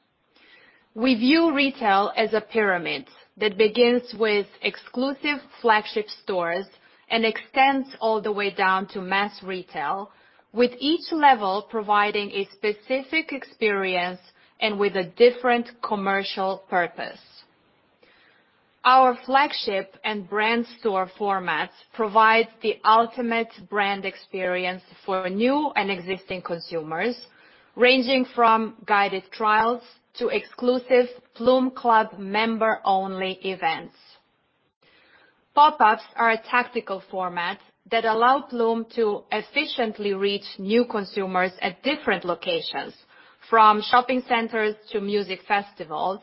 We view retail as a pyramid that begins with exclusive flagship stores and extends all the way down to mass retail, with each level providing a specific experience and with a different commercial purpose. Our flagship and brand store formats provide the ultimate brand experience for new and existing consumers, ranging from guided trials to exclusive Ploom Club member-only events. Pop-ups are a tactical format that allow Ploom to efficiently reach new consumers at different locations, from shopping centers to music festivals,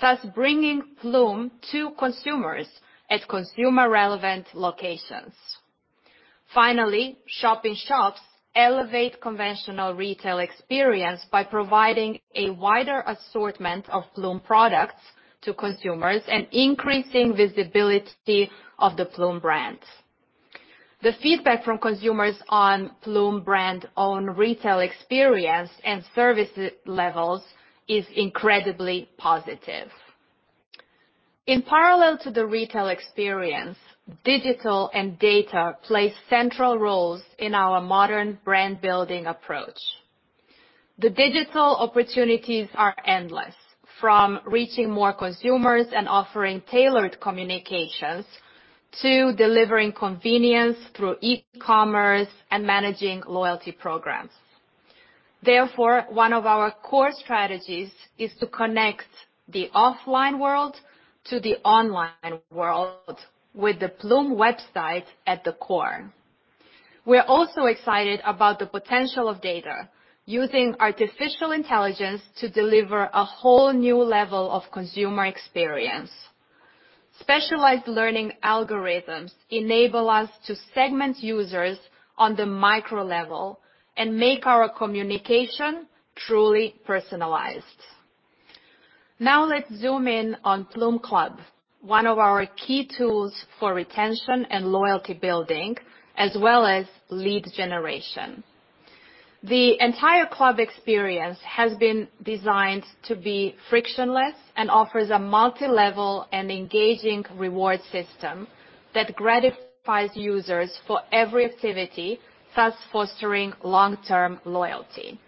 thus bringing Ploom to consumers at consumer-relevant locations. Finally, Ploom Shops elevate conventional retail experience by providing a wider assortment of Ploom products to consumers and increasing visibility of the Ploom brand. The feedback from consumers on Ploom brand-owned retail experience and service levels is incredibly positive. In parallel to the retail experience, digital and data play central roles in our modern brand-building approach. The digital opportunities are endless, from reaching more consumers and offering tailored communications to delivering convenience through e-commerce and managing loyalty programs. Therefore, one of our core strategies is to connect the offline world to the online world with the Ploom website at the core. We're also excited about the potential of data using artificial intelligence to deliver a whole new level of consumer experience. Specialized learning algorithms enable us to segment users on the micro level and make our communication truly personalized. Now let's zoom in on Ploom Club, one of our key tools for retention and loyalty building, as well as lead generation. The entire club experience has been designed to be frictionless and offers a multilevel and engaging reward system that gratifies users for every activity, thus fostering long-term loyalty.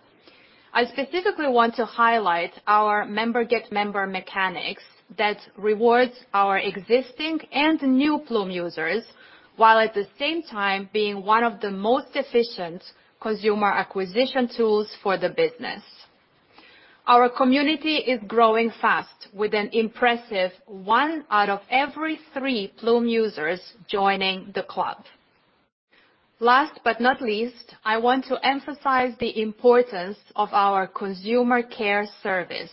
I specifically want to highlight our member-get-member mechanics that rewards our existing and new Ploom users while at the same time being one of the most efficient consumer acquisition tools for the business. Our community is growing fast with an impressive one out of every three Ploom users joining the club. Last but not least, I want to emphasize the importance of our consumer care service,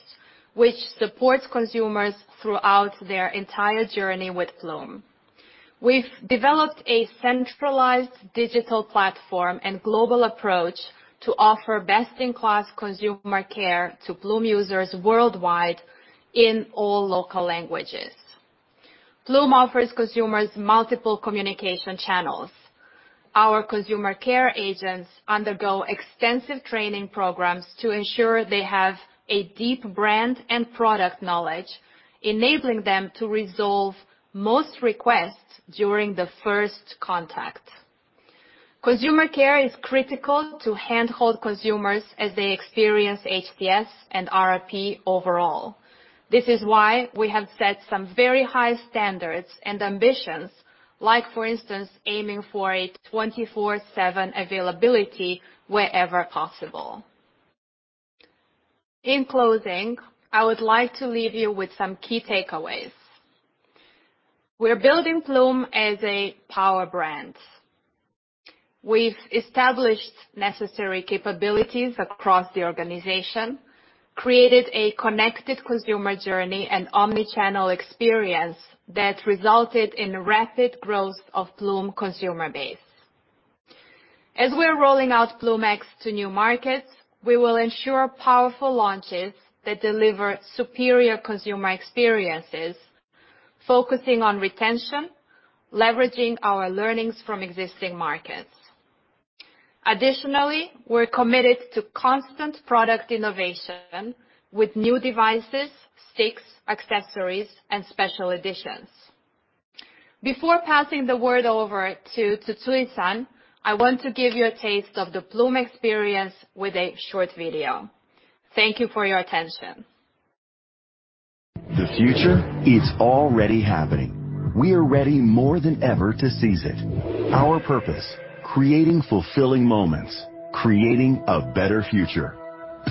which supports consumers throughout their entire journey with Ploom. We've developed a centralized digital platform and global approach to offer best-in-class consumer care to Ploom users worldwide in all local languages. Ploom offers consumers multiple communication channels. Our consumer care agents undergo extensive training programs to ensure they have a deep brand and product knowledge, enabling them to resolve most requests during the first contact. Consumer care is critical to handhold consumers as they experience HTS and RP overall. This is why we have set some very high standards and ambitions, like, for instance, aiming for a 24/7 availability wherever possible. In closing, I would like to leave you with some key takeaways. We're building Ploom as a power brand. We've established necessary capabilities across the organization, created a connected consumer journey and omnichannel experience that resulted in rapid growth of Ploom consumer base. As we're rolling out Ploom X to new markets, we will ensure powerful launches that deliver superior consumer experiences, focusing on retention, leveraging our learnings from existing markets. Additionally, we're committed to constant product innovation with new devices, sticks, accessories, and special editions. Before passing the word over to Tsutsui-san, I want to give you a taste of the Ploom experience with a short video. Thank you for your attention. The future is already happening. We are ready more than ever to seize it. Our purpose: creating fulfilling moments, creating a better future.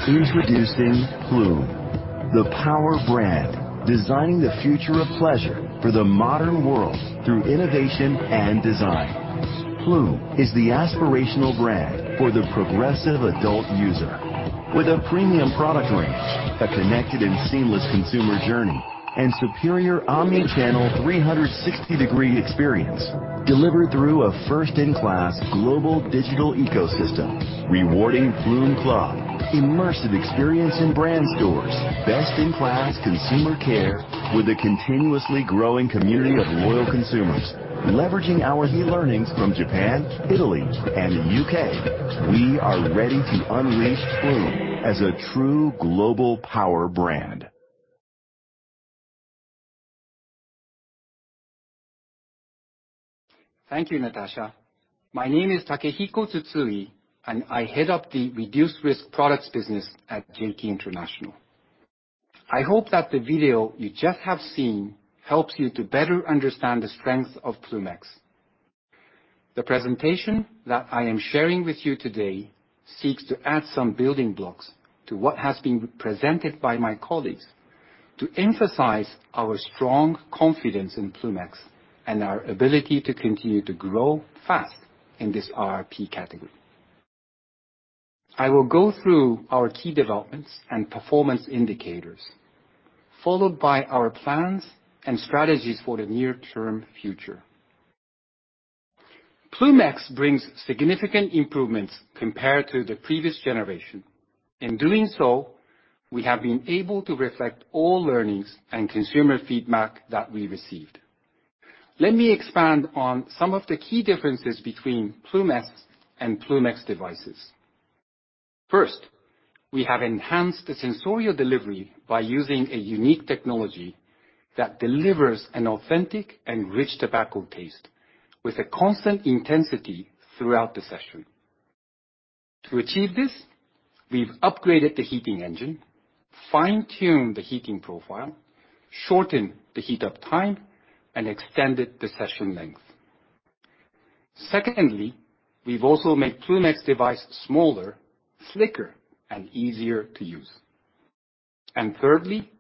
Introducing Ploom, the power brand designing the future of pleasure for the modern world through innovation and design. Ploom is the aspirational brand for the progressive adult user, with a premium product range, a connected and seamless consumer journey, and superior omnichannel 360-degree experience delivered through a first-in-class global digital ecosystem. Rewarding Ploom Club, immersive experience in brand stores, best-in-class consumer care with a continuously growing community of loyal consumers. Leveraging our key learnings from Japan, Italy, and the U.K., we are ready to unleash Ploom as a true global power brand. Thank you, Natasa. My name is Takehiko Tsutsui, and I head up the Reduced-Risk Products business at JT International. I hope that the video you just have seen helps you to better understand the strength of Ploom X. The presentation that I am sharing with you today seeks to add some building blocks to what has been presented by my colleagues to emphasize our strong confidence in Ploom X and our ability to continue to grow fast in this RP category. I will go through our key developments and performance indicators, followed by our plans and strategies for the near-term future. Ploom X brings significant improvements compared to the previous generation. In doing so, we have been able to reflect all learnings and consumer feedback that we received. Let me expand on some of the key differences between Ploom X and Ploom S devices. First, we have enhanced the sensory delivery by using a unique technology that delivers an authentic and rich tobacco taste with a constant intensity throughout the session. To achieve this, we've upgraded the heating engine, fine-tuned the heating profile, shortened the heat-up time, and extended the session length. Secondly, we've also made Ploom X devices smaller, slicker, and easier to use, and thirdly,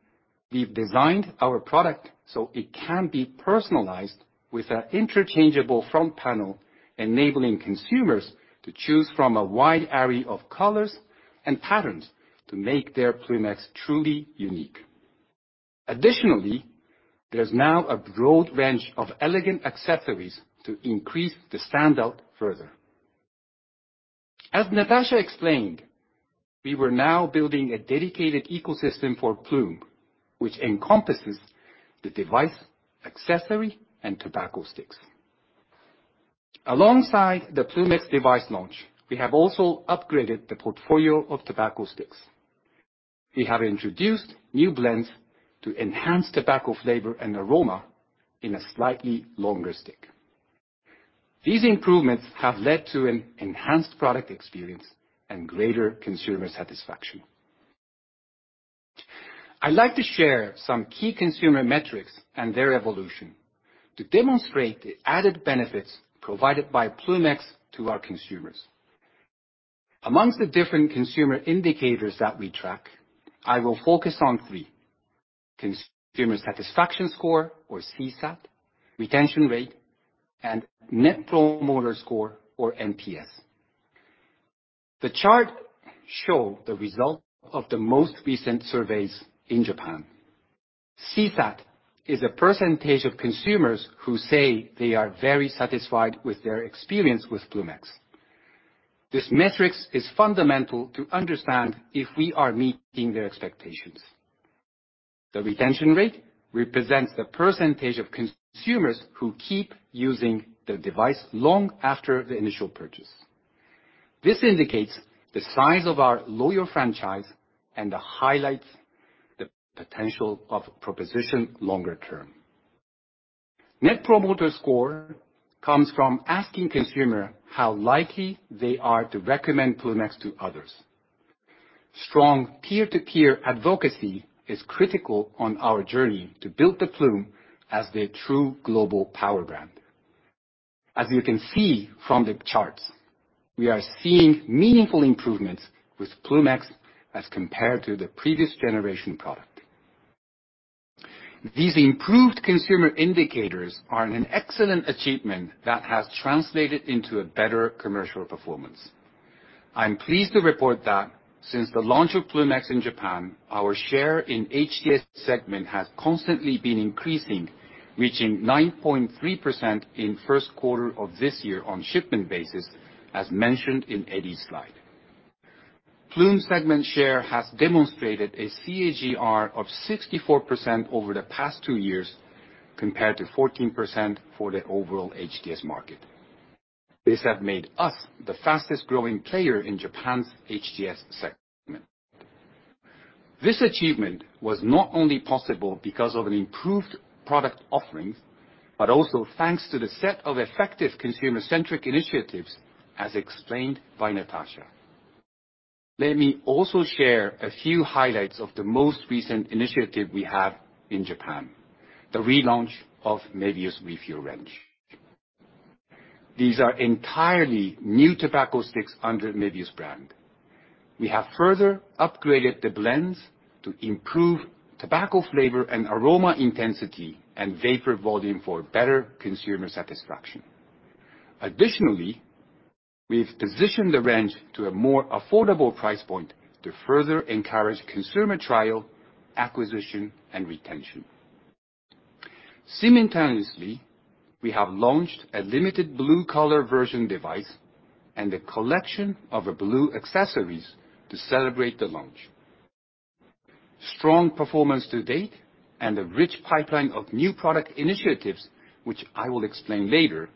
we've designed our product so it can be personalized with an interchangeable front panel, enabling consumers to choose from a wide array of colors and patterns to make their Ploom X truly unique. Additionally, there's now a broad range of elegant accessories to increase the standout further. As Natasa explained, we were now building a dedicated ecosystem for Ploom, which encompasses the device, accessory, and tobacco sticks. Alongside the Ploom X device launch, we have also upgraded the portfolio of tobacco sticks. We have introduced new blends to enhance tobacco flavor and aroma in a slightly longer stick. These improvements have led to an enhanced product experience and greater consumer satisfaction. I'd like to share some key consumer metrics and their evolution to demonstrate the added benefits provided by Ploom X to our consumers. Among the different consumer indicators that we track, I will focus on three: consumer satisfaction score, or CSAT, retention rate, and Net Promoter Score, or NPS. The chart shows the result of the most recent surveys in Japan. CSAT is a percentage of consumers who say they are very satisfied with their experience with Ploom X. This metric is fundamental to understand if we are meeting their expectations. The retention rate represents the percentage of consumers who keep using the device long after the initial purchase. This indicates the size of our loyal franchise and highlights the potential of proposition longer term. Net Promoter Score comes from asking consumers how likely they are to recommend Ploom X to others. Strong peer-to-peer advocacy is critical on our journey to build the Ploom as the true global power brand. As you can see from the charts, we are seeing meaningful improvements with Ploom X as compared to the previous generation product. These improved consumer indicators are an excellent achievement that has translated into a better commercial performance. I'm pleased to report that since the launch of Ploom X in Japan, our share in HTS segment has constantly been increasing, reaching 9.3% in the first quarter of this year on a shipment basis, as mentioned in Eddy's slide. Ploom segment share has demonstrated a CAGR of 64% over the past two years compared to 14% for the overall HTS market. This has made us the fastest-growing player in Japan's HTS segment. This achievement was not only possible because of improved product offerings, but also thanks to the set of effective consumer-centric initiatives, as explained by Natasa. Let me also share a few highlights of the most recent initiative we have in Japan, the relaunch of Mevius renewal range. These are entirely new tobacco sticks under Mevius brand. We have further upgraded the blends to improve tobacco flavor and aroma intensity and vapor volume for better consumer satisfaction. Additionally, we've positioned the range to a more affordable price point to further encourage consumer trial, acquisition, and retention. Simultaneously, we have launched a limited blue-color version device and a collection of blue accessories to celebrate the launch. Strong performance to date and a rich pipeline of new product initiatives, which I will explain later,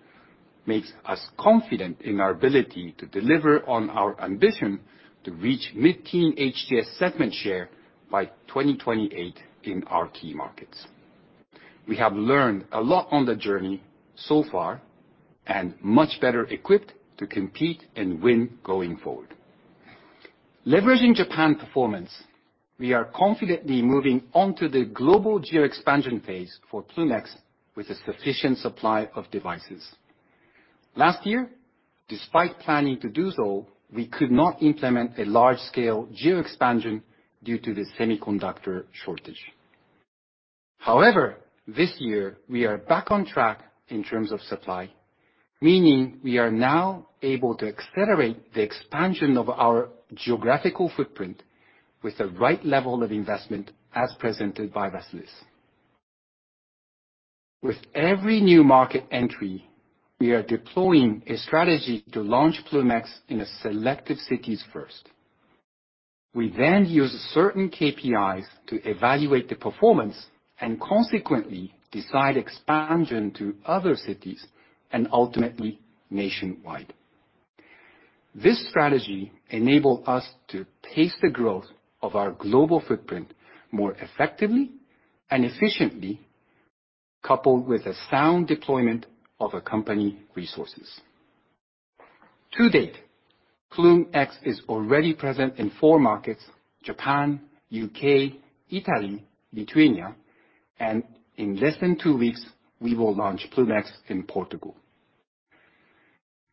make us confident in our ability to deliver on our ambition to reach mid-teen HTS segment share by 2028 in RP markets. We have learned a lot on the journey so far and are much better equipped to compete and win going forward. Leveraging Japan's performance, we are confidently moving on to the global geo-expansion phase for Ploom X with a sufficient supply of devices. Last year, despite planning to do so, we could not implement a large-scale geo-expansion due to the semiconductor shortage. However, this year, we are back on track in terms of supply, meaning we are now able to accelerate the expansion of our geographical footprint with the right level of investment as presented by Vassilis. With every new market entry, we are deploying a strategy to launch Ploom X in selected cities first. We then use certain KPIs to evaluate the performance and consequently decide expansion to other cities and ultimately nationwide. This strategy enables us to pace the growth of our global footprint more effectively and efficiently, coupled with a sound deployment of company resources. To date, Ploom X is already present in four markets: Japan, U.K., Italy, Lithuania, and in less than two weeks, we will launch Ploom X in Portugal.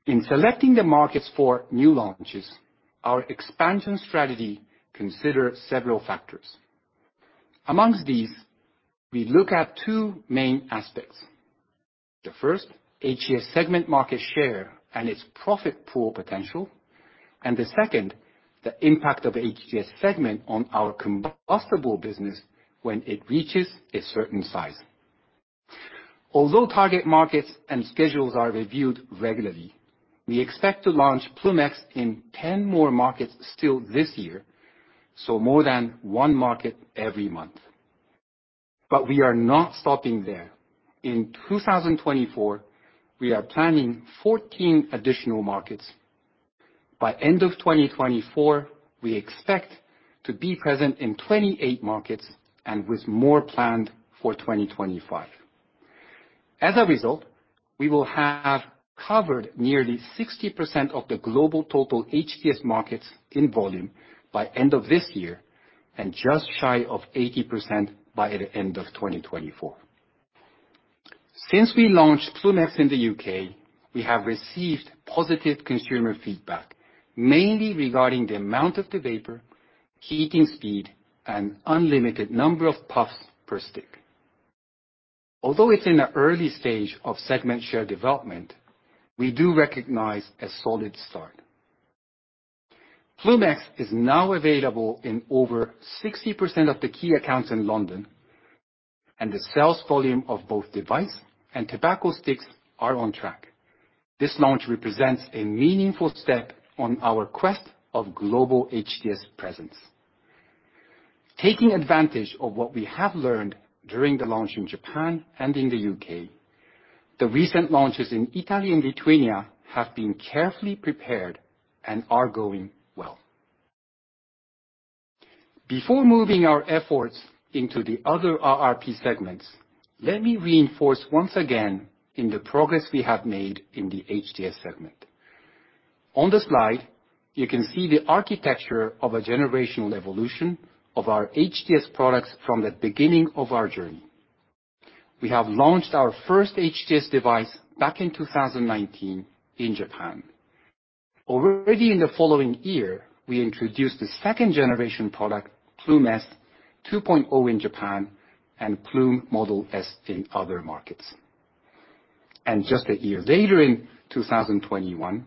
In selecting the markets for new launches, our expansion strategy considers several factors. Among these, we look at two main aspects. The first, HTS segment market share and its profit pool potential, and the second, the impact of HTS segment on our combustible business when it reaches a certain size. Although target markets and schedules are reviewed regularly, we expect to launch Ploom X in 10 more markets still this year, so more than one market every month. But we are not stopping there. In 2024, we are planning 14 additional markets. By the end of 2024, we expect to be present in 28 markets and with more planned for 2025. As a result, we will have covered nearly 60% of the global total HTS markets in volume by the end of this year and just shy of 80% by the end of 2024. Since we launched Ploom X in the U.K., we have received positive consumer feedback, mainly regarding the amount of the vapor, heating speed, and unlimited number of puffs per stick. Although it's in the early stage of segment share development, we do recognize a solid start. Ploom X is now available in over 60% of the key accounts in London, and the sales volume of both devices and tobacco sticks is on track. This launch represents a meaningful step on our quest for global HTS presence. Taking advantage of what we have learned during the launch in Japan and in the U.K., the recent launches in Italy and Lithuania have been carefully prepared and are going well. Before moving our efforts into the other RRP segments, let me reinforce once again the progress we have made in the HTS segment. On the slide, you can see the architecture of a generational evolution of our HTS products from the beginning of our journey. We have launched our first HTS device back in 2019 in Japan. Already in the following year, we introduced the second-generation product, Ploom S 2.0 in Japan and Ploom S in other markets. Just a year later, in 2021,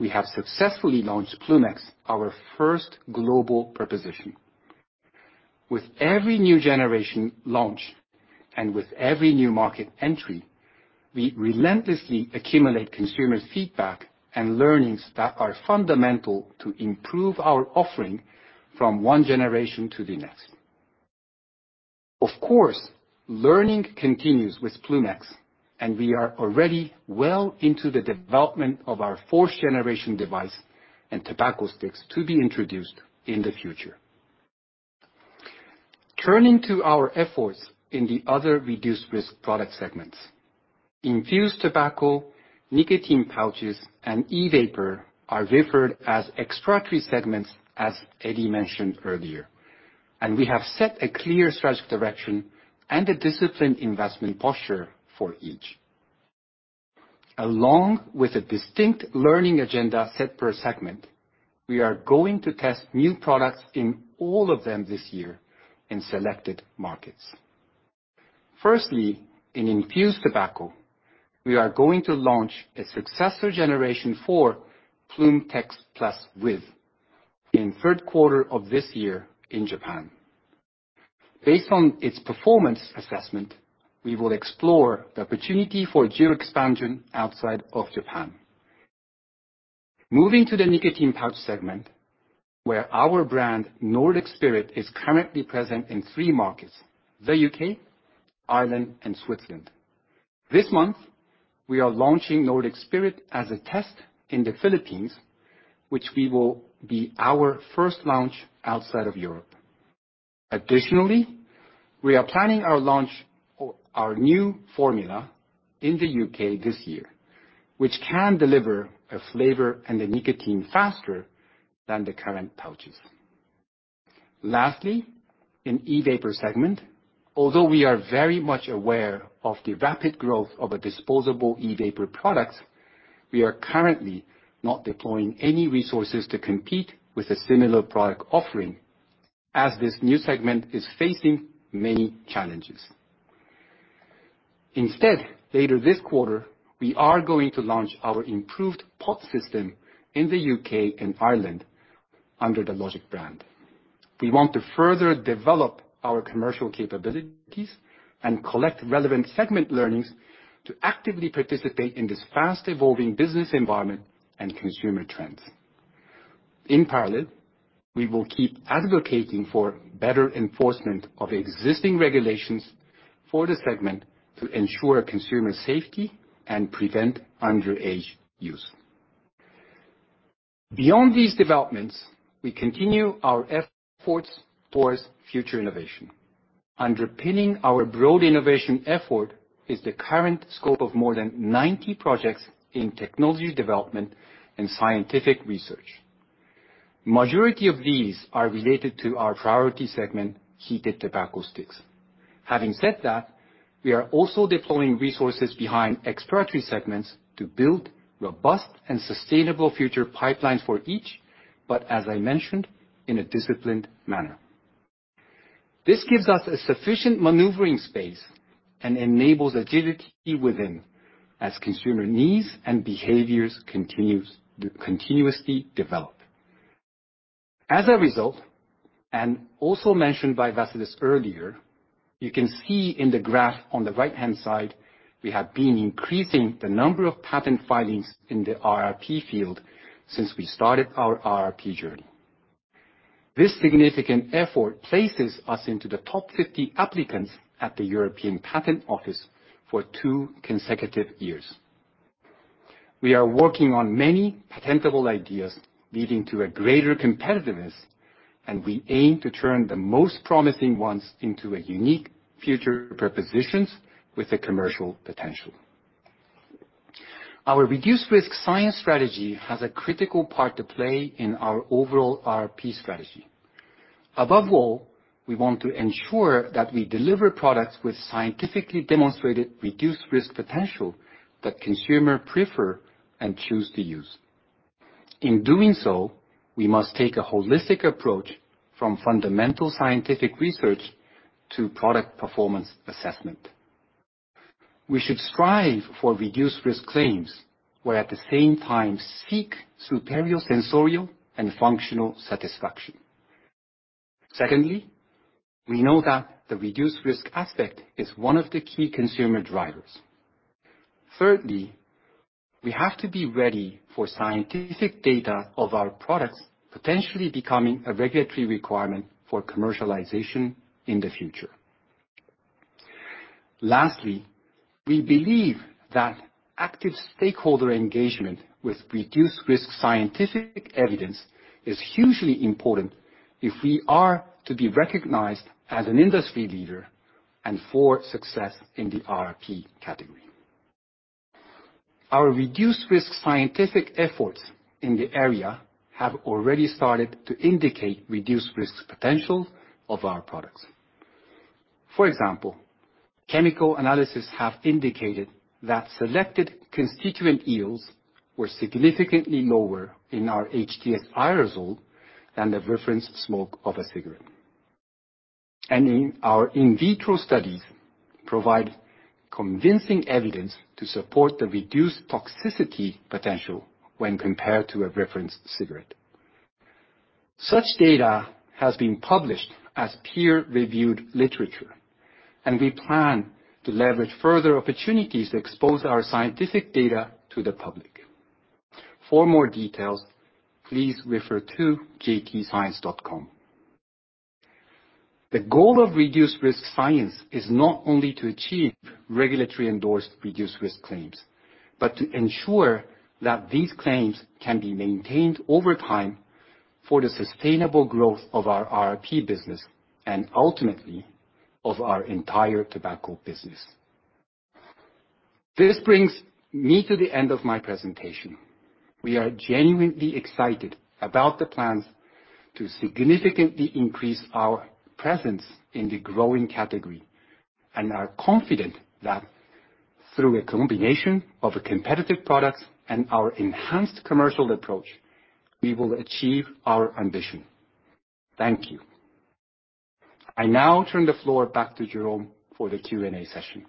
we have successfully launched Ploom X, our first global proposition. With every new generation launch and with every new market entry, we relentlessly accumulate consumer feedback and learnings that are fundamental to improve our offering from one generation to the next. Of course, learning continues with Ploom X, and we are already well into the development of our fourth-generation device and tobacco sticks to be introduced in the future. Turning to our efforts in the other reduced-risk product segments, Infused Tobacco, nicotine pouches, and E-Vapor are referred to as other segments, as Eddy mentioned earlier, and we have set a clear strategic direction and a disciplined investment posture for each. Along with a distinct learning agenda set per segment, we are going to test new products in all of them this year in selected markets. Firstly, in Infused Tobacco, we are going to launch a successor generation for Ploom Tech Plus within the third quarter of this year in Japan. Based on its performance assessment, we will explore the opportunity for geo-expansion outside of Japan. Moving to the nicotine pouch segment, where our brand, Nordic Spirit, is currently present in three markets: the U.K., Ireland, and Switzerland. This month, we are launching Nordic Spirit as a test in the Philippines, which will be our first launch outside of Europe. Additionally, we are planning our launch of our new formula in the U.K. this year, which can deliver a flavor and a nicotine faster than the current pouches. Lastly, in the E-Vapor segment, although we are very much aware of the rapid growth of disposable E-Vapor products, we are currently not deploying any resources to compete with a similar product offering, as this new segment is facing many challenges. Instead, later this quarter, we are going to launch our improved pod system in the U.K. and Ireland under the Logic brand. We want to further develop our commercial capabilities and collect relevant segment learnings to actively participate in this fast-evolving business environment and consumer trends. In parallel, we will keep advocating for better enforcement of existing regulations for the segment to ensure consumer safety and prevent underage use. Beyond these developments, we continue our efforts towards future innovation. Underpinning our broad innovation effort is the current scope of more than 90 projects in technology development and scientific research. The majority of these are related to our priority segment, heated tobacco sticks. Having said that, we are also deploying resources behind exploratory segments to build robust and sustainable future pipelines for each, but as I mentioned, in a disciplined manner. This gives us sufficient maneuvering space and enables agility within as consumer needs and behaviors continuously develop. As a result, and also mentioned by Vassilis earlier, you can see in the graph on the right-hand side, we have been increasing the number of patent filings in the RRP field since we started our RRP journey. This significant effort places us into the top 50 applicants at the European Patent Office for two consecutive years. We are working on many patentable ideas leading to greater competitiveness, and we aim to turn the most promising ones into unique future propositions with a commercial potential. Our reduced-risk science strategy has a critical part to play in our overall RP strategy. Above all, we want to ensure that we deliver products with scientifically demonstrated reduced-risk potential that consumers prefer and choose to use. In doing so, we must take a holistic approach from fundamental scientific research to product performance assessment. We should strive for reduced-risk claims where, at the same time, we seek superior sensorial and functional satisfaction. Secondly, we know that the reduced-risk aspect is one of the key consumer drivers. Thirdly, we have to be ready for scientific data of our products potentially becoming a regulatory requirement for commercialization in the future. Lastly, we believe that active stakeholder engagement with reduced-risk scientific evidence is hugely important if we are to be recognized as an industry leader and for success in the RP category. Our reduced-risk scientific efforts in the area have already started to indicate reduced-risk potential of our products. For example, chemical analysis has indicated that selected constituent yields were significantly lower in our HTS aerosol than the reference smoke of a cigarette, and our in vitro studies provide convincing evidence to support the reduced toxicity potential when compared to a reference cigarette. Such data has been published as peer-reviewed literature, and we plan to leverage further opportunities to expose our scientific data to the public. For more details, please refer to jtscience.com. The goal of reduced-risk science is not only to achieve regulatory-endorsed reduced-risk claims, but to ensure that these claims can be maintained over time for the sustainable growth of our RRP business and ultimately of our entire tobacco business. This brings me to the end of my presentation. We are genuinely excited about the plans to significantly increase our presence in the growing category and are confident that through a combination of competitive products and our enhanced commercial approach, we will achieve our ambition. Thank you. I now turn the floor back to Jerome for the Q&A session.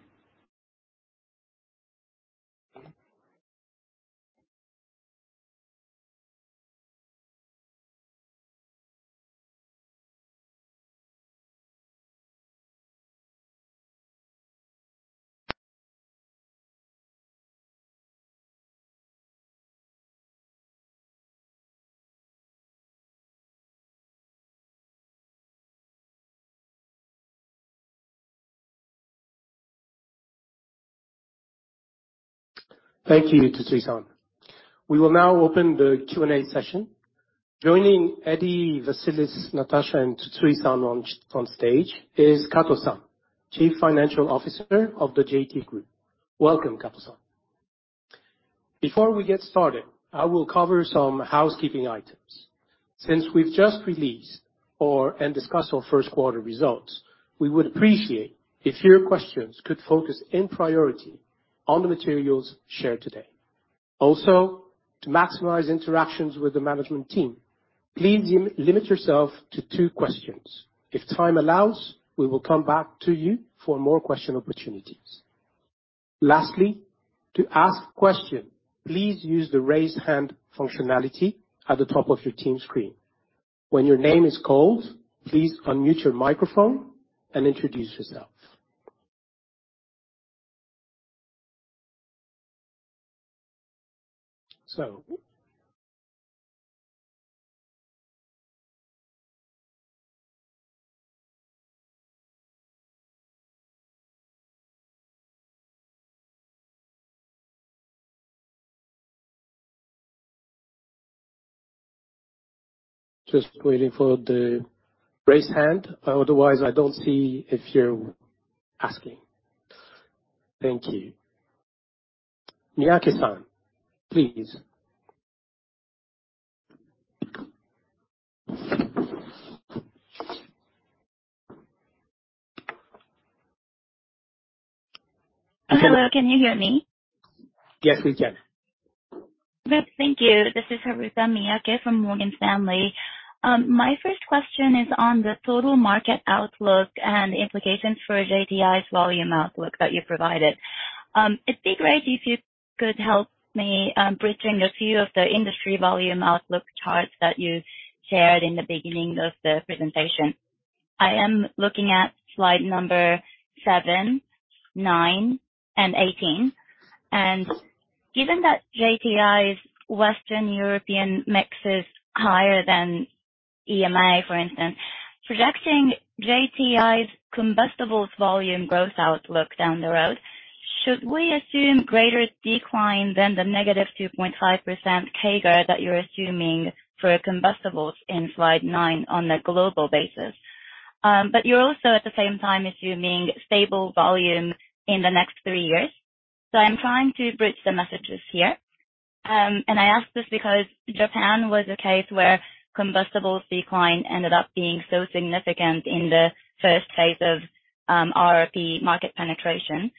Thank you, Tsutsui-san. We will now open the Q&A session. Joining Eddy, Vassilis, Natasa, and Tsutsui-san on stage is Kato-san, Chief Financial Officer of the JT Group. Welcome, Kato-san. Before we get started, I will cover some housekeeping items. Since we've just released and discussed our first-quarter results, we would appreciate it if your questions could focus in priority on the materials shared today. Also, to maximize interactions with the management team, please limit yourself to two questions. If time allows, we will come back to you for more question opportunities. Lastly, to ask questions, please use the raise hand functionality at the top of your Teams screen. When your name is called, please unmute your microphone and introduce yourself. Just waiting for the raise hand. Otherwise, I don't see if you're asking. Thank you. Miyake-san, please. Hello. Can you hear me? Yes, we can. Thank you. This is Haruka Miyake from Morgan Stanley. My first question is on the total market outlook and implications for JTI's volume outlook that you provided. It'd be great if you could help me bridge a few of the industry volume outlook charts that you shared in the beginning of the presentation. I am looking at slide number seven, nine, and 18. And given that JTI's Western European mix is higher than EMEA, for instance, projecting JTI's combustibles volume growth outlook down the road, should we assume greater decline than the negative 2.5% CAGR that you're assuming for combustibles in slide 9 on a global basis? But you're also, at the same time, assuming stable volume in the next three years. So I'm trying to bridge the messages here. And I ask this because Japan was a case where combustibles decline ended up being so significant in the first phase of RRP market penetration.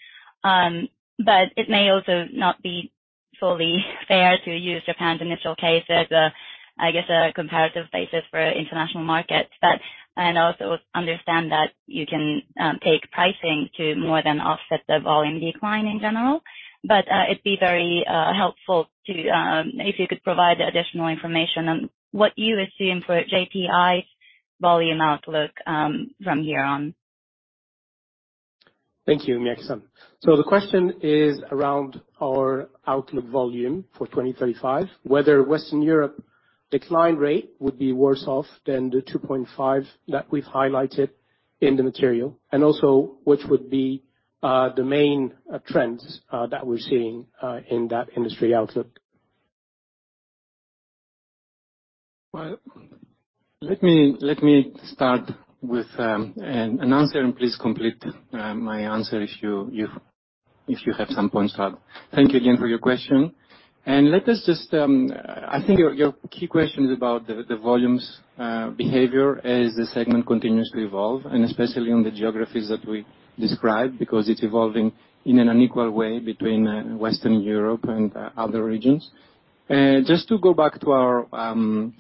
But it may also not be fully fair to use Japan's initial case as a, I guess, a comparative basis for international markets. And I also understand that you can take pricing to more than offset the volume decline in general. But it'd be very helpful if you could provide additional information on what you assume for JTI's volume outlook from here on. Thank you, Miyake-san. So the question is around our outlook volume for 2035, whether Western Europe's decline rate would be worse off than the 2.5% that we've highlighted in the material, and also which would be the main trends that we're seeing in that industry outlook. Let me start with an answer, and please complete my answer if you have some points to add. Thank you again for your question. And let us just, I think your key question is about the volume's behavior as the segment continues to evolve, and especially on the geographies that we described because it's evolving in an unequal way between Western Europe and other regions. Just to go back to our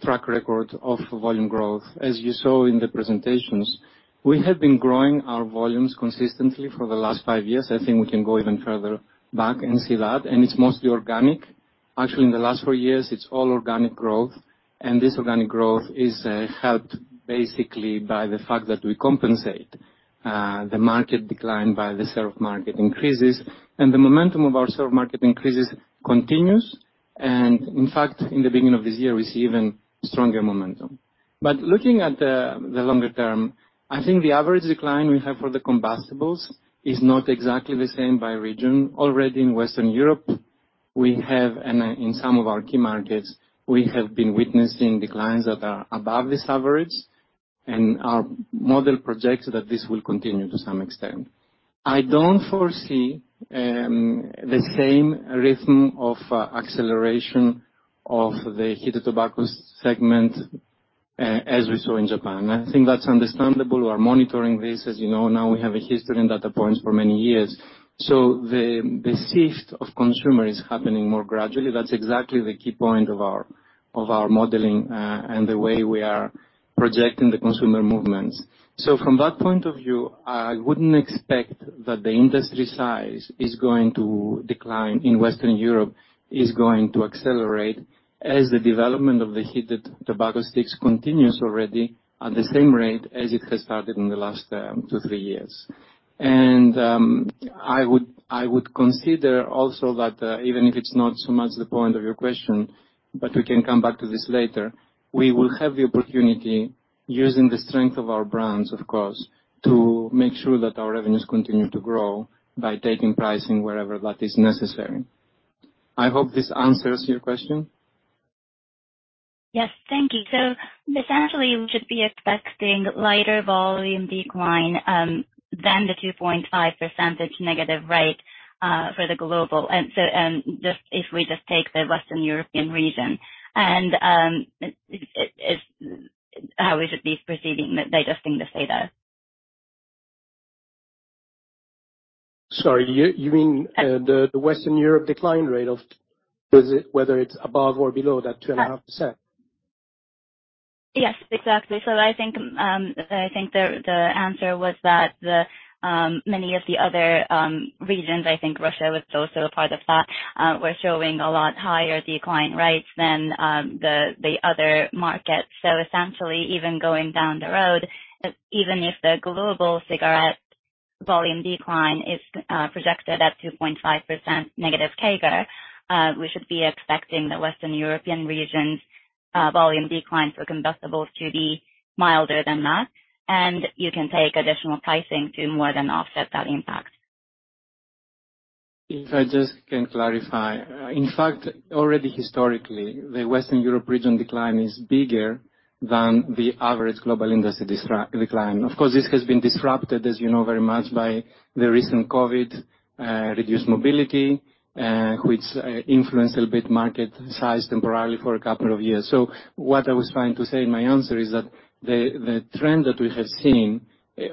track record of volume growth, as you saw in the presentations, we have been growing our volumes consistently for the last five years. I think we can go even further back and see that, and it's mostly organic. Actually, in the last four years, it's all organic growth, and this organic growth is helped basically by the fact that we compensate the market decline by the share of market increases, and the momentum of our share of market increases continues. And in fact, in the beginning of this year, we see even stronger momentum, but looking at the longer term, I think the average decline we have for the combustibles is not exactly the same by region. Already in Western Europe, we have, and in some of our key markets, we have been witnessing declines that are above this average. Our model projects that this will continue to some extent. I don't foresee the same rhythm of acceleration of the heated tobacco segment as we saw in Japan. I think that's understandable. We are monitoring this. As you know, now we have a history and data points for many years. So the shift of consumers is happening more gradually. That's exactly the key point of our modeling and the way we are projecting the consumer movements. So from that point of view, I wouldn't expect that the industry size is going to decline in Western Europe is going to accelerate as the development of the heated tobacco sticks continues already at the same rate as it has started in the last two or three years. I would consider also that even if it's not so much the point of your question, but we can come back to this later, we will have the opportunity, using the strength of our brands, of course, to make sure that our revenues continue to grow by taking pricing wherever that is necessary. I hope this answers your question. Yes. Thank you. Essentially, we should be expecting lighter volume decline than the 2.5% negative rate for the global. If we just take the Western European region, how is it perceiving that they just think this data? Sorry. You mean the Western Europe decline rate of whether it's above or below that 2.5%? Yes, exactly. I think the answer was that many of the other regions, I think Russia was also a part of that, were showing a lot higher decline rates than the other markets. So essentially, even going down the road, even if the global cigarette volume decline is projected at 2.5% negative CAGR, we should be expecting the Western European region's volume decline for combustibles to be milder than that. And you can take additional pricing to more than offset that impact. If I just can clarify. In fact, already historically, the Western Europe region decline is bigger than the average global industry decline. Of course, this has been disrupted, as you know very much, by the recent COVID, reduced mobility, which influenced a little bit market size temporarily for a couple of years. So what I was trying to say in my answer is that the trend that we have seen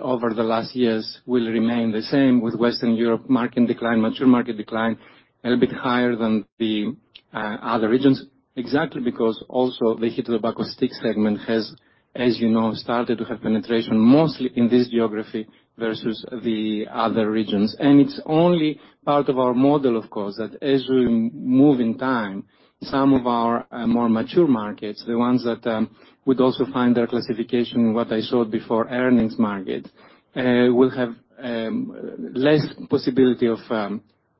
over the last years will remain the same with Western Europe market decline, mature market decline, a little bit higher than the other regions. Exactly because also the heated tobacco stick segment has, as you know, started to have penetration mostly in this geography versus the other regions. And it's only part of our model, of course, that as we move in time, some of our more mature markets, the ones that would also find their classification in what I showed before, earnings market, will have less possibility of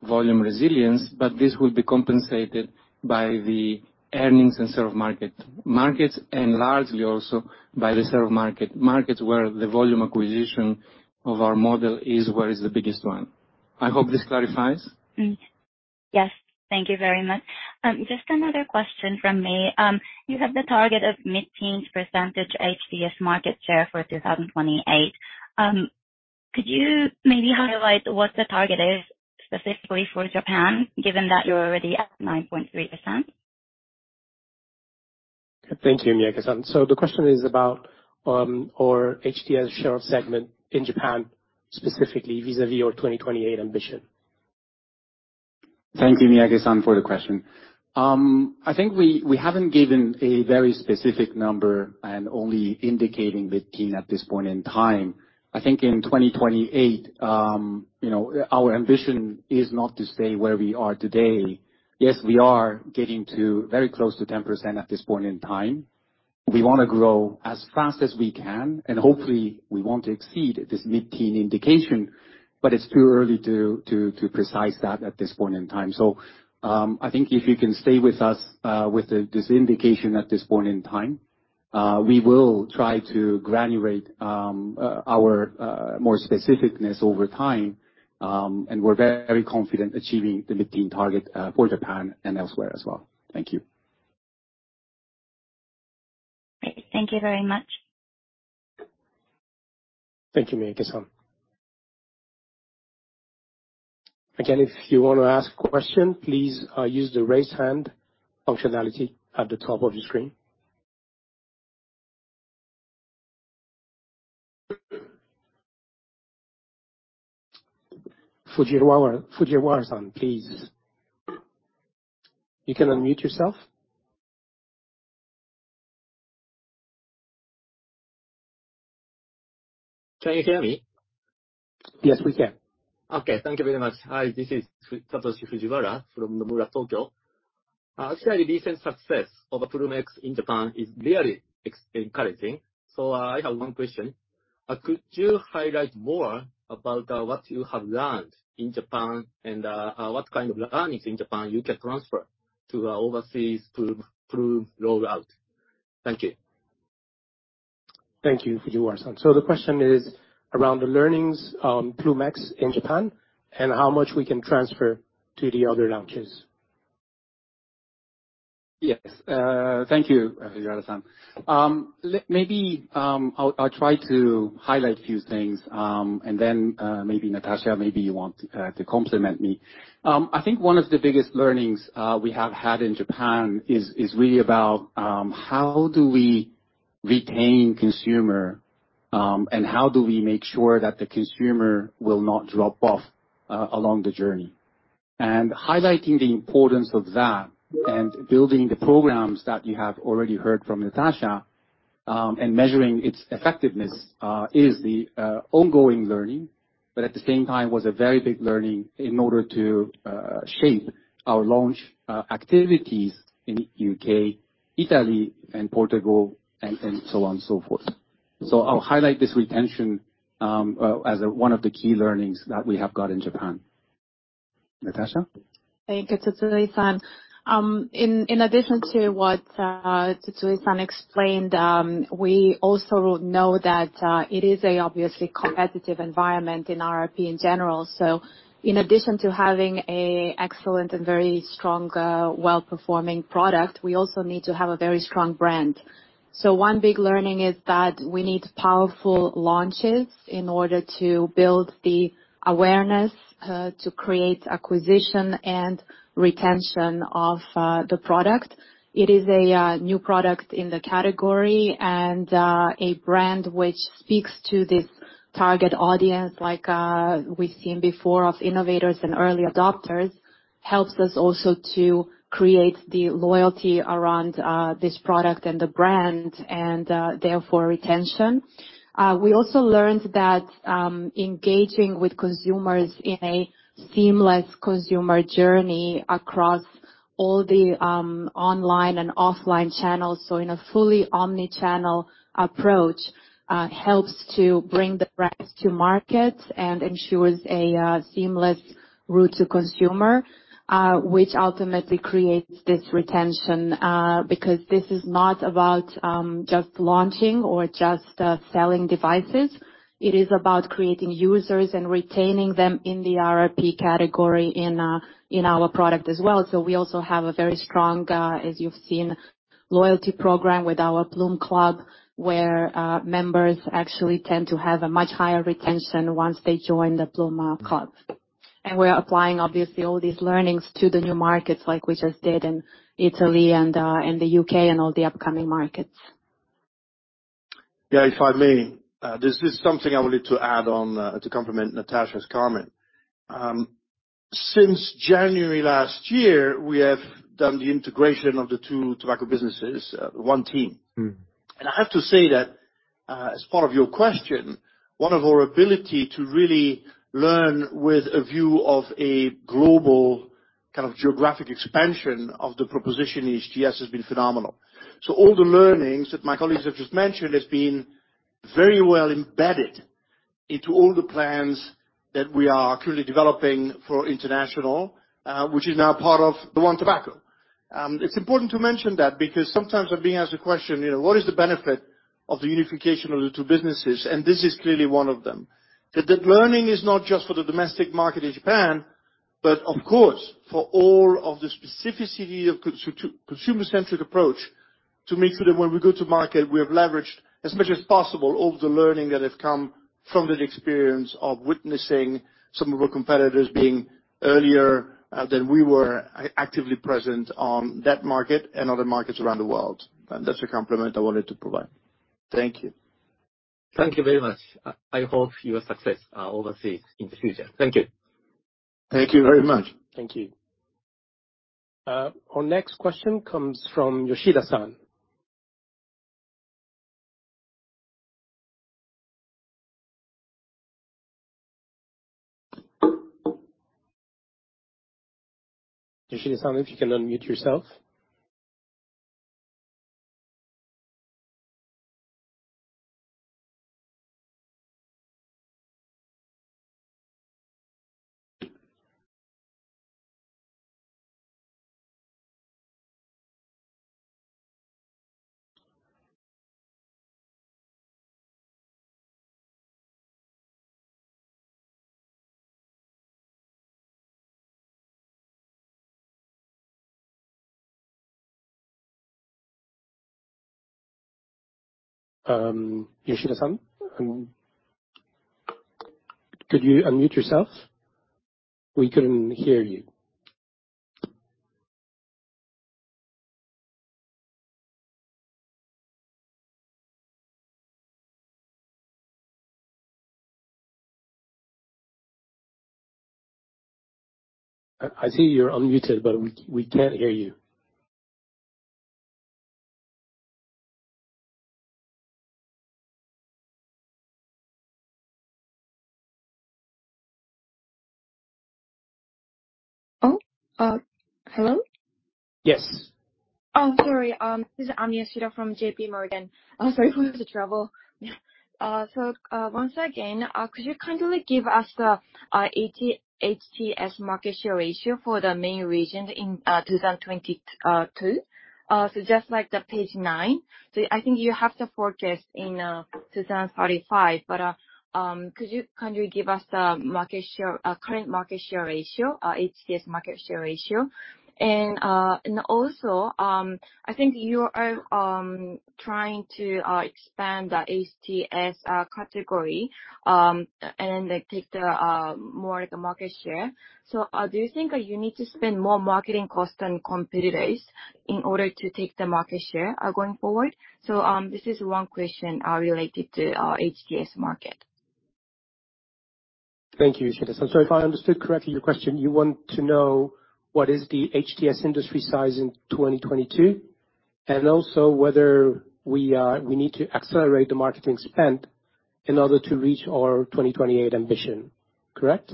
volume resilience. But this will be compensated by the earnings and share of market markets and largely also by the share of market markets where the volume acquisition of our model is where it's the biggest one. I hope this clarifies. Yes. Thank you very much. Just another question from me. You have the target of mid-teens % HTS market share for 2028. Could you maybe highlight what the target is specifically for Japan, given that you're already at 9.3%? Thank you, Miyake-san. So the question is about our HTS share of segment in Japan specifically vis-à-vis our 2028 ambition. Thank you, Miyake-san, for the question. I think we haven't given a very specific number and only indicating mid-teen at this point in time. I think in 2028, our ambition is not to stay where we are today. Yes, we are getting very close to 10% at this point in time. We want to grow as fast as we can. And hopefully, we want to exceed this mid-teen indication. But it's too early to be precise that at this point in time. So I think if you can stay with us with this indication at this point in time, we will try to graduate our more specificness over time. And we're very confident achieving the mid-teen target for Japan and elsewhere as well. Thank you. Great. Thank you very much. Thank you, Miyake-san. Again, if you want to ask a question, please use the raise hand functionality at the top of your screen. Fujiwara-san, please. You can unmute yourself. Can you hear me? Yes, we can. Okay. Thank you very much. Hi. This is Satoshi Fujiwara from Nomura Tokyo. Actually, the recent success of Ploom X in Japan is really encouraging. So I have one question. Could you highlight more about what you have learned in Japan and what kind of learnings in Japan you can transfer to overseas Ploom rollout? Thank you. Thank you, Fujiwara-san. So the question is around the learnings on Ploom X in Japan and how much we can transfer to the other launches. Yes. Thank you, Fujiwara-san. Maybe I'll try to highlight a few things. And then maybe Natasa, maybe you want to complement me. I think one of the biggest learnings we have had in Japan is really about how do we retain consumers and how do we make sure that the consumer will not drop off along the journey, and highlighting the importance of that and building the programs that you have already heard from Natasa and measuring its effectiveness is the ongoing learning, but at the same time, it was a very big learning in order to shape our launch activities in the U.K., Italy, and Portugal, and so on and so forth, so I'll highlight this retention as one of the key learnings that we have got in Japan. Natasa. Thank you, Tsutsui-san. In addition to what Tsutsui-san explained, we also know that it is an obviously competitive environment in RRP in general. So in addition to having an excellent and very strong, well-performing product, we also need to have a very strong brand. So one big learning is that we need powerful launches in order to build the awareness to create acquisition and retention of the product. It is a new product in the category. And a brand which speaks to this target audience, like we've seen before of innovators and early adopters, helps us also to create the loyalty around this product and the brand and therefore retention. We also learned that engaging with consumers in a seamless consumer journey across all the online and offline channels, so in a fully omnichannel approach, helps to bring the brand to market and ensures a seamless route to consumer, which ultimately creates this retention because this is not about just launching or just selling devices. It is about creating users and retaining them in the RRP category in our product as well, so we also have a very strong, as you've seen, loyalty program with our Ploom Club, where members actually tend to have a much higher retention once they join the Ploom Club, and we're applying, obviously, all these learnings to the new markets, like we just did in Italy and the U.K. and all the upcoming markets. Yeah, if I may, there's just something I wanted to add on to complement Natasa's comment. Since January last year, we have done the integration of the two tobacco businesses, one team, and I have to say that as part of your question, one of our ability to really learn with a view of a global kind of geographic expansion of the proposition HTS has been phenomenal. So all the learnings that my colleagues have just mentioned have been very well embedded into all the plans that we are currently developing for international, which is now part of the One Tobacco. It's important to mention that because sometimes I'm being asked the question, "What is the benefit of the unification of the two businesses?" And this is clearly one of them. That learning is not just for the domestic market in Japan, but of course, for all of the specificity of consumer-centric approach to make sure that when we go to market, we have leveraged as much as possible all the learning that has come from the experience of witnessing some of our competitors being earlier than we were actively present on that market and other markets around the world. And that's a compliment I wanted to provide. Thank you. Thank you very much. I hope you have success overseas in the future. Thank you. Thank you very much. Thank you. Our next question comes from Yoshida-san. Yoshida-san, if you can unmute yourself. Yoshida-san, could you unmute yourself? We couldn't hear you. I see you're unmuted, but we can't hear you. Oh, hello? Yes. Oh, sorry. This is Emi Yoshida from JPMorgan. Sorry, who is the trouble? So once again, could you kindly give us the HTS market share ratio for the main region in 2022? So just like the page nine. So I think you have the forecast in 2035. But could you kindly give us the current market share ratio, HTS market share ratio? And also, I think you are trying to expand the HTS category and then take more of the market share. Do you think you need to spend more marketing cost on competitors in order to take the market share going forward? So this is one question related to HTS market. Thank you, Yoshida-san. So if I understood correctly your question, you want to know what is the HTS industry size in 2022 and also whether we need to accelerate the marketing spend in order to reach our 2028 ambition, correct?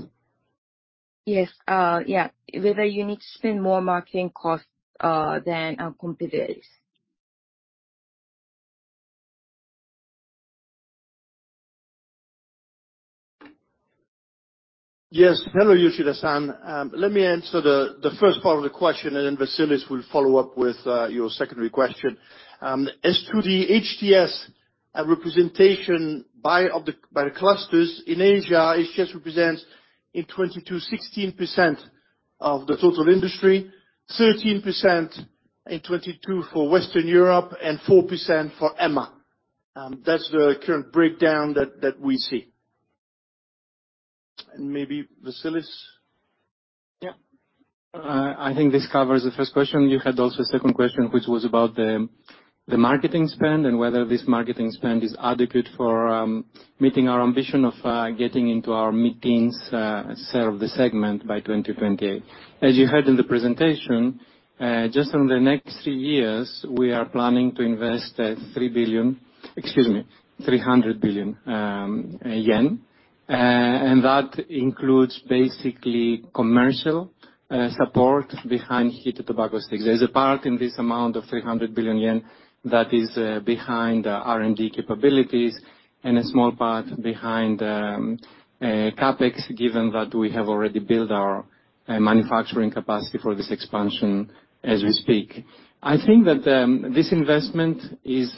Yes. Yeah. Whether you need to spend more marketing cost than competitors. Yes. Hello, Yoshida-san. Let me answer the first part of the question, and then Vassilis will follow up with your secondary question. As to the HTS representation by the clusters in Asia, HTS represents in 2022, 16% of the total industry, 13% in 2022 for Western Europe, and 4% for EMEA. That's the current breakdown that we see. And maybe Vassilis? Yeah. I think this covers the first question. You had also a second question, which was about the marketing spend and whether this marketing spend is adequate for meeting our ambition of getting into our mid-teens share of the segment by 2028. As you heard in the presentation, just in the next three years, we are planning to invest 3 billion, excuse me, 300 billion yen. And that includes basically commercial support behind heated tobacco sticks. There's a part in this amount of 300 billion yen that is behind R&D capabilities and a small part behind CapEx, given that we have already built our manufacturing capacity for this expansion as we speak. I think that this investment is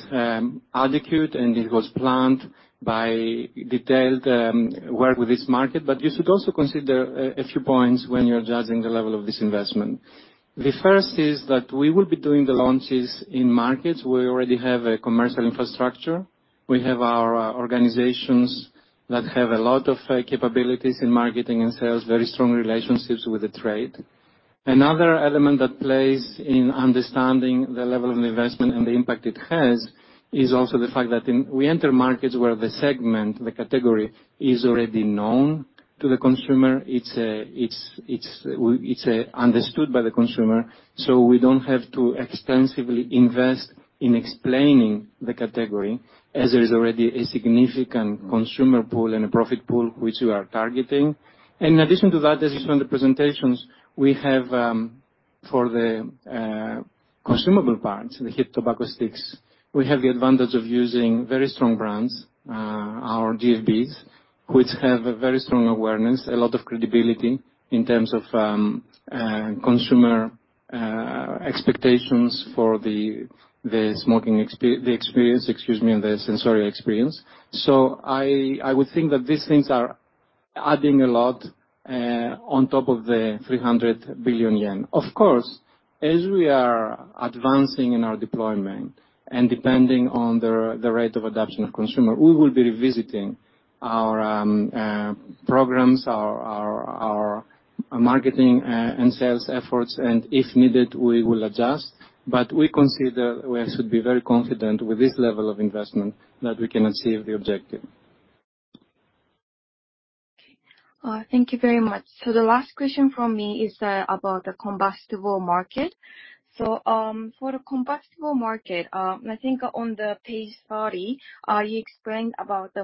adequate, and it was planned by detailed work with this market. But you should also consider a few points when you're judging the level of this investment. The first is that we will be doing the launches in markets. We already have a commercial infrastructure. We have our organizations that have a lot of capabilities in marketing and sales, very strong relationships with the trade. Another element that plays in understanding the level of investment and the impact it has is also the fact that we enter markets where the segment, the category is already known to the consumer. It's understood by the consumer. So we don't have to extensively invest in explaining the category as there is already a significant consumer pool and a profit pool which we are targeting. And in addition to that, as you saw in the presentations, we have for the consumable parts, the heated tobacco sticks, we have the advantage of using very strong brands, our GFBs, which have a very strong awareness, a lot of credibility in terms of consumer expectations for the smoking experience, excuse me, and the sensorial experience. So I would think that these things are adding a lot on top of the 300 billion yen. Of course, as we are advancing in our deployment and depending on the rate of adoption of consumer, we will be revisiting our programs, our marketing and sales efforts. And if needed, we will adjust. But we consider we should be very confident with this level of investment that we can achieve the objective. Thank you very much. So the last question from me is about the combustible market. For the combustible market, I think on page 30, you explained about the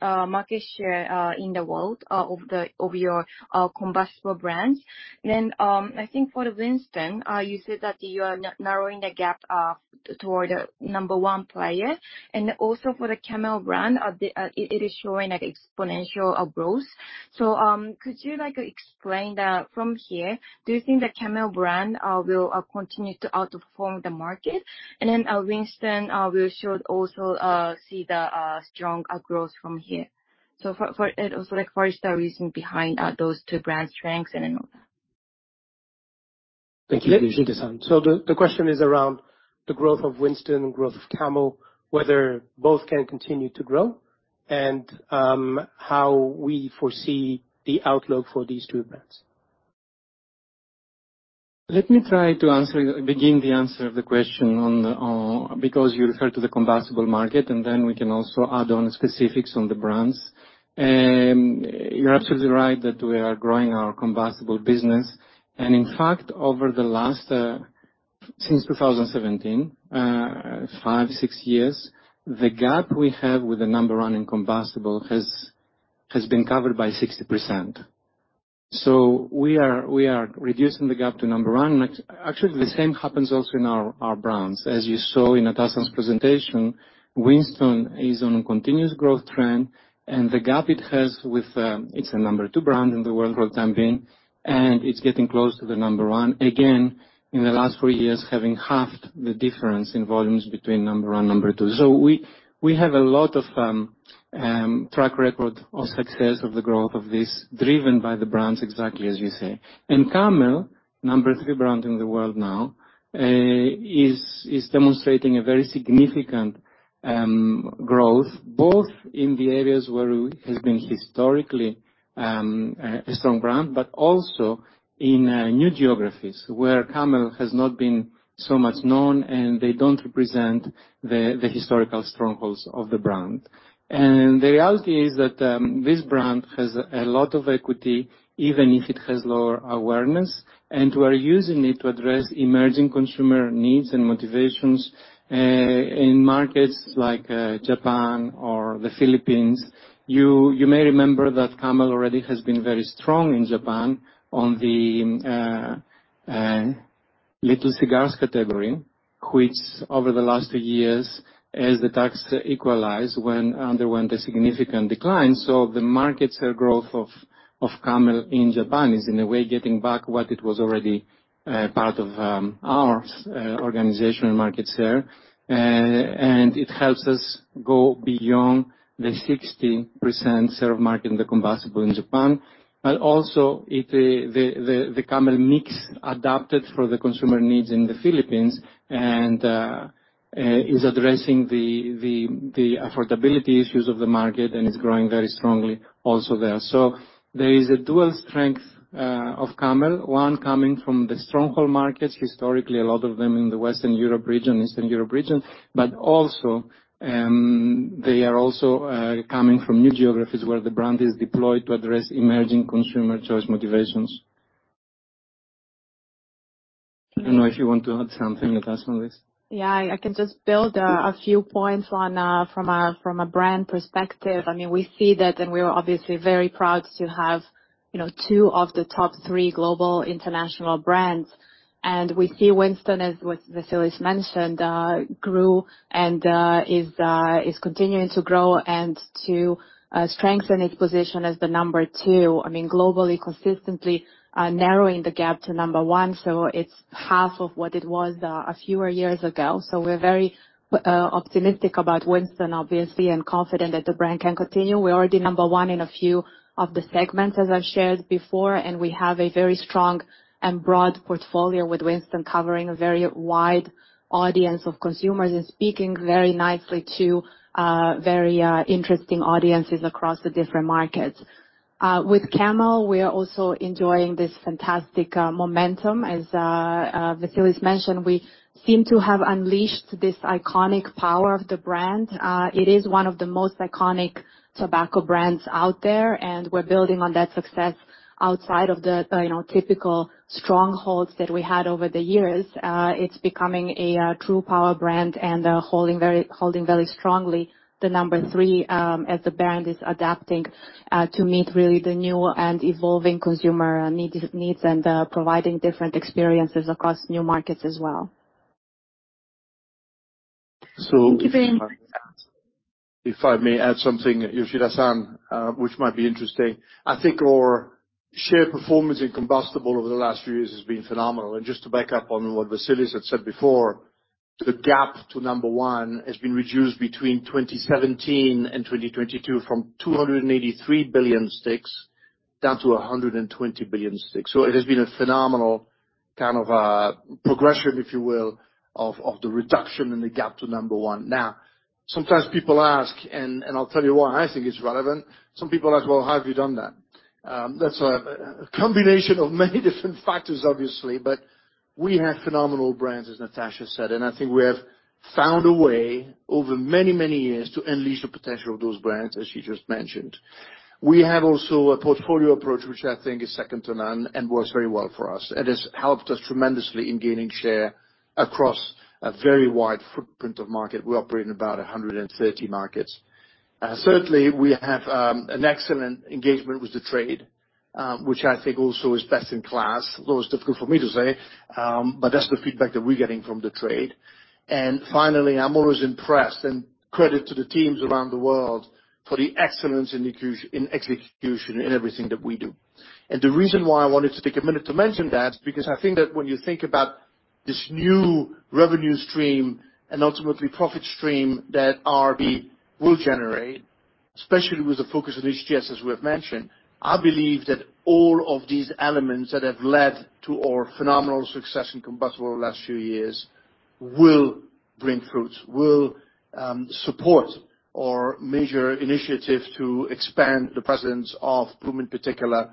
market share in the world of your combustible brands. Then I think for Winston, you said that you are narrowing the gap toward the number one player. And also for the Camel brand, it is showing an exponential growth. Could you explain that from here? Do you think the Camel brand will continue to outperform the market? And then Winston will also see the strong growth from here. For us, that is the reason behind those two brand strengths and all that. Thank you, Yoshida-san. The question is around the growth of Winston and growth of Camel, whether both can continue to grow, and how we foresee the outlook for these two brands. Let me try to begin the answer of the question because you referred to the combustible market, and then we can also add on specifics on the brands. You're absolutely right that we are growing our combustible business. And in fact, over the last since 2017, five, six years, the gap we have with the number one in combustible has been covered by 60%. So we are reducing the gap to number one. Actually, the same happens also in our brands. As you saw in Natasa's presentation, Winston is on a continuous growth trend, and the gap it has with it's a number two brand in the world for the time being, and it's getting close to the number one. Again, in the last four years, having halved the difference in volumes between number one and number two. We have a lot of track record of success of the growth of this driven by the brands, exactly as you say. And Camel, number three brand in the world now, is demonstrating a very significant growth, both in the areas where it has been historically a strong brand, but also in new geographies where Camel has not been so much known, and they don't represent the historical strongholds of the brand. And the reality is that this brand has a lot of equity, even if it has lower awareness, and we're using it to address emerging consumer needs and motivations in markets like Japan or the Philippines. You may remember that Camel already has been very strong in Japan on the little cigars category, which over the last two years, as the tax equalized, underwent a significant decline. So the market share growth of Camel in Japan is, in a way, getting back what it was already part of our organization and market share. And it helps us go beyond the 60% share of market in the combustibles in Japan. But also, the Camel mix adapted for the consumer needs in the Philippines and is addressing the affordability issues of the market and is growing very strongly also there. So there is a dual strength of Camel, one coming from the stronghold markets, historically a lot of them in the Western Europe region, Eastern Europe region, but also they are also coming from new geographies where the brand is deployed to address emerging consumer choice motivations. I don't know if you want to add something, Natasa on this. Yeah, I can just build a few points from a brand perspective. I mean, we see that, and we're obviously very proud to have two of the top three global international brands. We see Winston, as Vassilis mentioned, grew and is continuing to grow and to strengthen its position as the number two. I mean, globally, consistently narrowing the gap to number one. So it's half of what it was a few years ago. So we're very optimistic about Winston, obviously, and confident that the brand can continue. We're already number one in a few of the segments, as I've shared before, and we have a very strong and broad portfolio with Winston covering a very wide audience of consumers and speaking very nicely to very interesting audiences across the different markets. With Camel, we are also enjoying this fantastic momentum. As Vassilis mentioned, we seem to have unleashed this iconic power of the brand. It is one of the most iconic tobacco brands out there, and we're building on that success outside of the typical strongholds that we had over the years. It's becoming a true power brand and holding very strongly the number three as the brand is adapting to meet really the new and evolving consumer needs and providing different experiences across new markets as well. So if I may add something, Yoshida-san, which might be interesting. I think our share performance in combustible over the last few years has been phenomenal. And just to back up on what Vassilis had said before, the gap to number one has been reduced between 2017 and 2022 from 283 billion sticks down to 120 billion sticks. So it has been a phenomenal kind of progression, if you will, of the reduction in the gap to number one. Now, sometimes people ask, and I'll tell you why I think it's relevant. Some people ask, "Well, how have you done that?" That's a combination of many different factors, obviously. But we have phenomenal brands, as Natasa said, and I think we have found a way over many, many years to unleash the potential of those brands, as she just mentioned. We have also a portfolio approach, which I think is second to none and works very well for us. It has helped us tremendously in gaining share across a very wide footprint of market. We operate in about 130 markets. Certainly, we have an excellent engagement with the trade, which I think also is best in class. Although it's difficult for me to say, but that's the feedback that we're getting from the trade. Finally, I'm always impressed, and credit to the teams around the world for the excellence in execution in everything that we do. The reason why I wanted to take a minute to mention that is because I think that when you think about this new revenue stream and ultimately profit stream that RRP will generate, especially with the focus on HTS, as we have mentioned, I believe that all of these elements that have led to our phenomenal success in combustibles over the last few years will bring fruits, will support our major initiative to expand the presence of Ploom in particular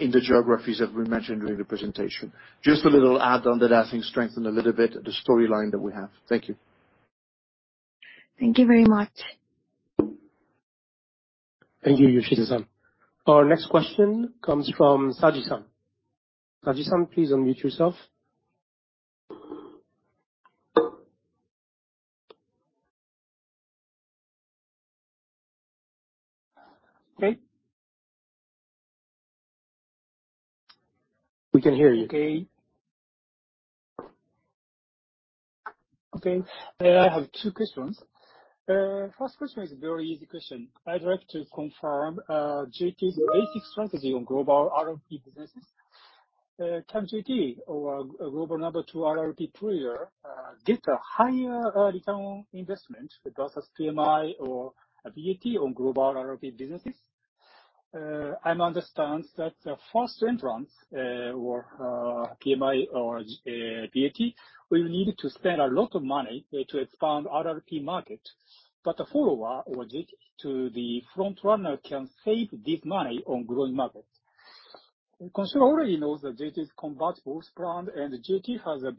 in the geographies that we mentioned during the presentation. Just a little add-on that I think strengthened a little bit the storyline that we have. Thank you. Thank you very much. Thank you, Yoshida-san. Our next question comes from Saji-san. Saji-san, please unmute yourself. Okay. We can hear you. Okay. Okay. I have two questions. First question is a very easy question. I'd like to confirm JT's basic strategy on global R&P businesses. Can JT, our global number two R&P player, get a higher return on investment versus PMI or BAT on global R&P businesses? I understand that the first entrants or PMI or BAT will need to spend a lot of money to expand R&P market, but a follower or JT to the front runner can save this money on growing market. Consumer already knows that JT's combustibles brand and JT has a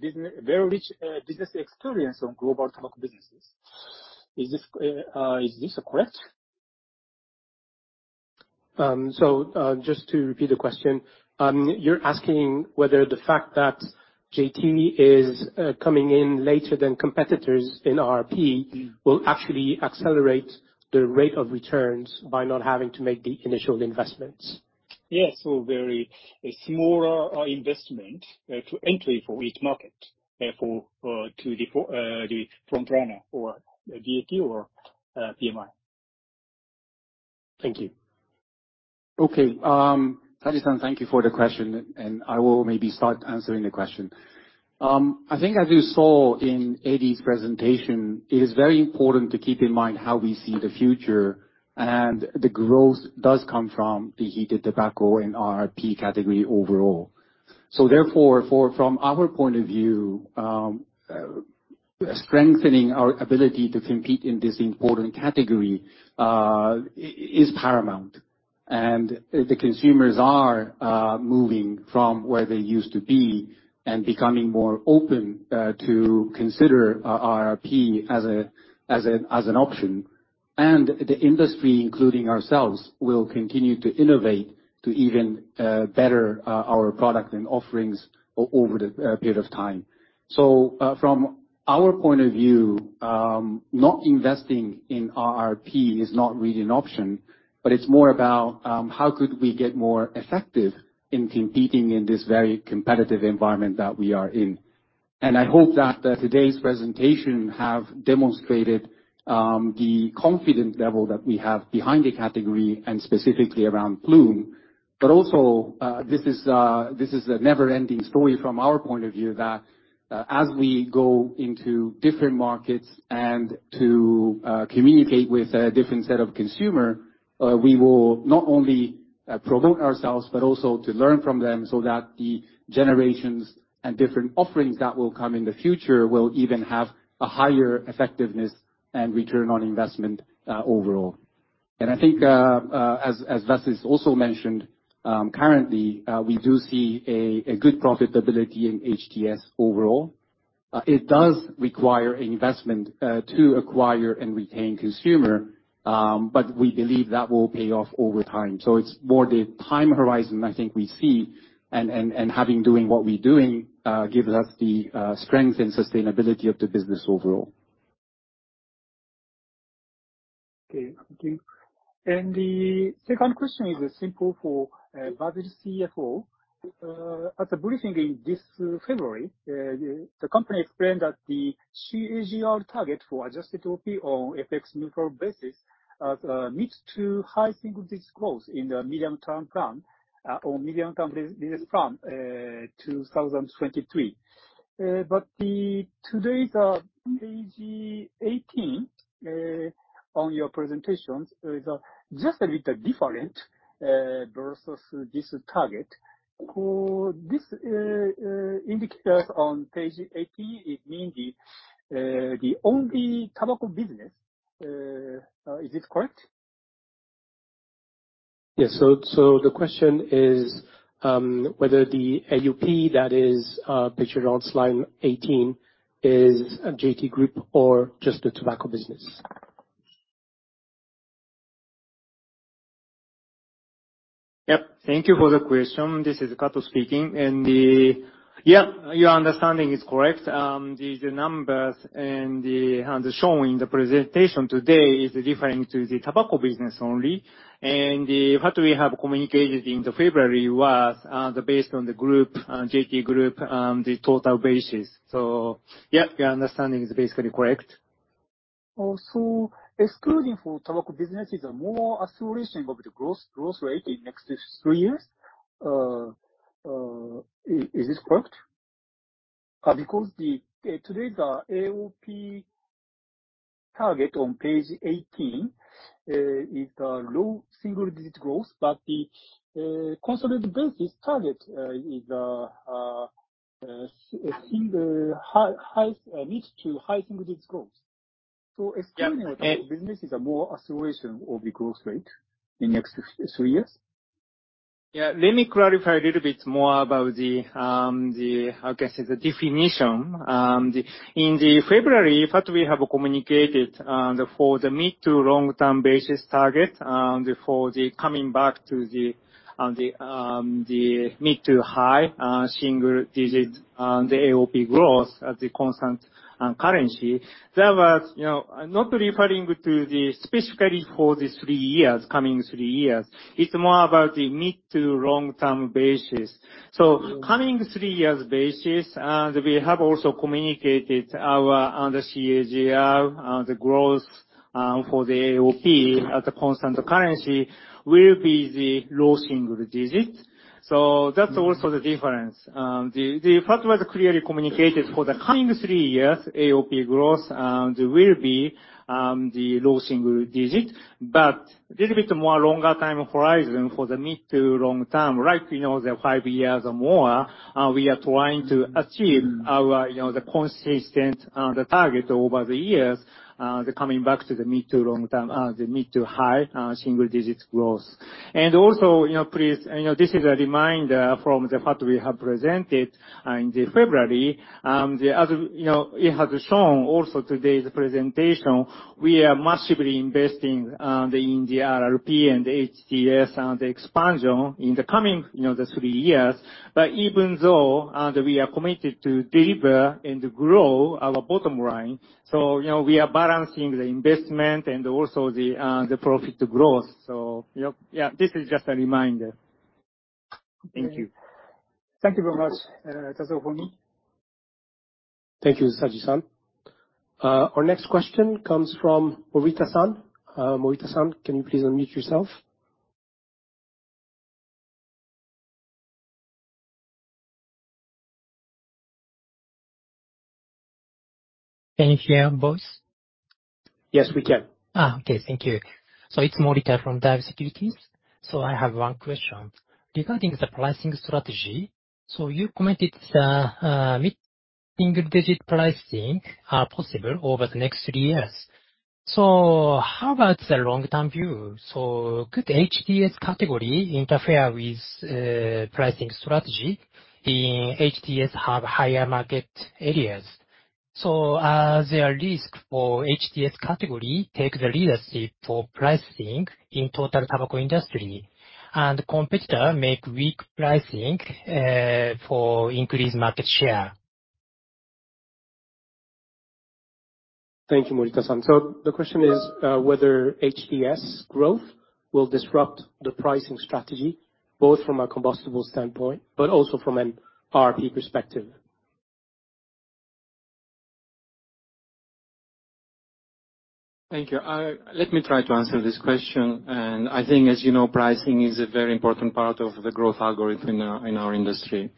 very rich business experience on global tobacco businesses. Is this correct? So just to repeat the question, you're asking whether the fact that JT is coming in later than competitors in R&P will actually accelerate the rate of returns by not having to make the initial investments. Yes. Or very smaller investment to entry for each market for the front runner or BAT or PMI. Thank you. Okay. Saji-san, thank you for the question, and I will maybe start answering the question. I think, as you saw in Eddy's presentation, it is very important to keep in mind how we see the future, and the growth does come from the heated tobacco and RRP category overall. So therefore, from our point of view, strengthening our ability to compete in this important category is paramount. And the consumers are moving from where they used to be and becoming more open to consider RRP as an option. And the industry, including ourselves, will continue to innovate to even better our product and offerings over the period of time. From our point of view, not investing in RRP is not really an option, but it's more about how could we get more effective in competing in this very competitive environment that we are in. I hope that today's presentation has demonstrated the confidence level that we have behind the category and specifically around Ploom. This is a never-ending story from our point of view that as we go into different markets and to communicate with a different set of consumers, we will not only promote ourselves, but also learn from them so that the generations and different offerings that will come in the future will even have a higher effectiveness and return on investment overall. I think, as Vassilis also mentioned, currently, we do see a good profitability in HTS overall. It does require investment to acquire and retain consumers, but we believe that will pay off over time. So it's more the time horizon I think we see, and having done what we're doing gives us the strength and sustainability of the business overall. Okay. Thank you. And the second question is simple for Vassilis's CFO. At a briefing in this February, the company explained that the CAGR target for adjusted OP on FX neutral basis meets mid- to high single-digit growth in the medium-term plan or medium-term business plan 2023. But today's page 18 on your presentation is just a little bit different versus this target. These indicators on page 18, it means only the tobacco business. Is it correct? Yes. So the question is whether the AOP that is pictured on slide 18 is JT Group or just the tobacco business. Yep. Thank you for the question. This is Kato speaking. Yeah, your understanding is correct. The numbers and the shown in the presentation today is referring to the tobacco business only. What we have communicated in February was based on the JT Group, the total basis. Yeah, your understanding is basically correct. Also, excluding for tobacco businesses, a more acceleration of the growth rate in the next three years. Is this correct? Because today's AOP target on page 18 is the low single-digit growth, but the consolidated basis target is a high mid to high single-digit growth. Excluding tobacco businesses, a more acceleration of the growth rate in the next three years? Yeah. Let me clarify a little bit more about the, I guess, the definition. In February, what we have communicated for the mid- to long-term basis target for the coming back to the mid- to high single-digit AOP growth, the constant currency, that was not referring to specifically for the coming three years. It's more about the mid- to long-term basis. So coming three years basis, we have also communicated our CAGR, the growth for the AOP at the constant currency will be the low single-digit. So that's also the difference. The first was clearly communicated for the coming three years AOP growth will be the low single-digit, but a little bit more longer-term horizon for the mid- to long-term, like the five years or more. We are trying to achieve the consistent target over the years, the coming back to the mid- to high single-digit growth. And also, please, this is a reminder from what we have presented in February. As has been shown also in today's presentation, we are massively investing in the RRP and HTS and the expansion in the coming three years. But even though we are committed to deliver and grow our bottom line, so we are balancing the investment and also the profit growth. So yeah, this is just a reminder. Thank you. Thank you very much, Tsutsui. Thank you, Saji-san. Our next question comes from Morita-san. Morita-san, can you please unmute yourself? Can you hear us? Yes, we can. Okay. Thank you. So it's Morita from Daiwa Securities. So I have one question. Regarding the pricing strategy, so you commented the mid-single-digit pricing are possible over the next three years. So how about the long-term view? So could HTS category interfere with pricing strategy in HTS have higher market share? So there are risks for HTS category take the leadership for pricing in total tobacco industry, and competitor make weak pricing for increased market share. Thank you, Morita-san. So the question is whether HTS growth will disrupt the pricing strategy both from a combustibles standpoint but also from an RP perspective. Thank you. Let me try to answer this question. And I think, as you know, pricing is a very important part of the growth algorithm in our industry.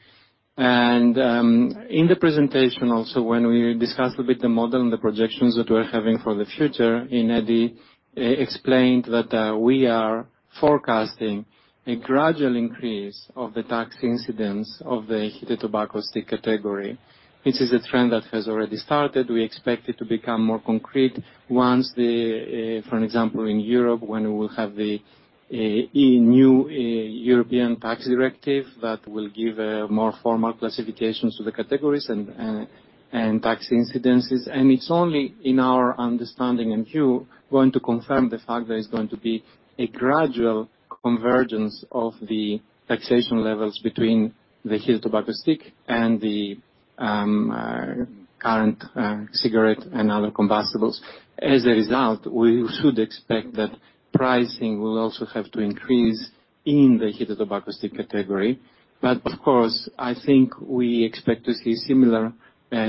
And in the presentation also, when we discussed a bit the model and the projections that we're having for the future, Eddy explained that we are forecasting a gradual increase of the tax incidence of the heated tobacco stick category, which is a trend that has already started. We expect it to become more concrete once, for example, in Europe, when we will have the new European tax directive that will give more formal classifications to the categories and tax incidences, and it's only in our understanding and view going to confirm the fact that it's going to be a gradual convergence of the taxation levels between the heated tobacco stick and the current cigarette and other combustibles. As a result, we should expect that pricing will also have to increase in the heated tobacco stick category, but of course, I think we expect to see a similar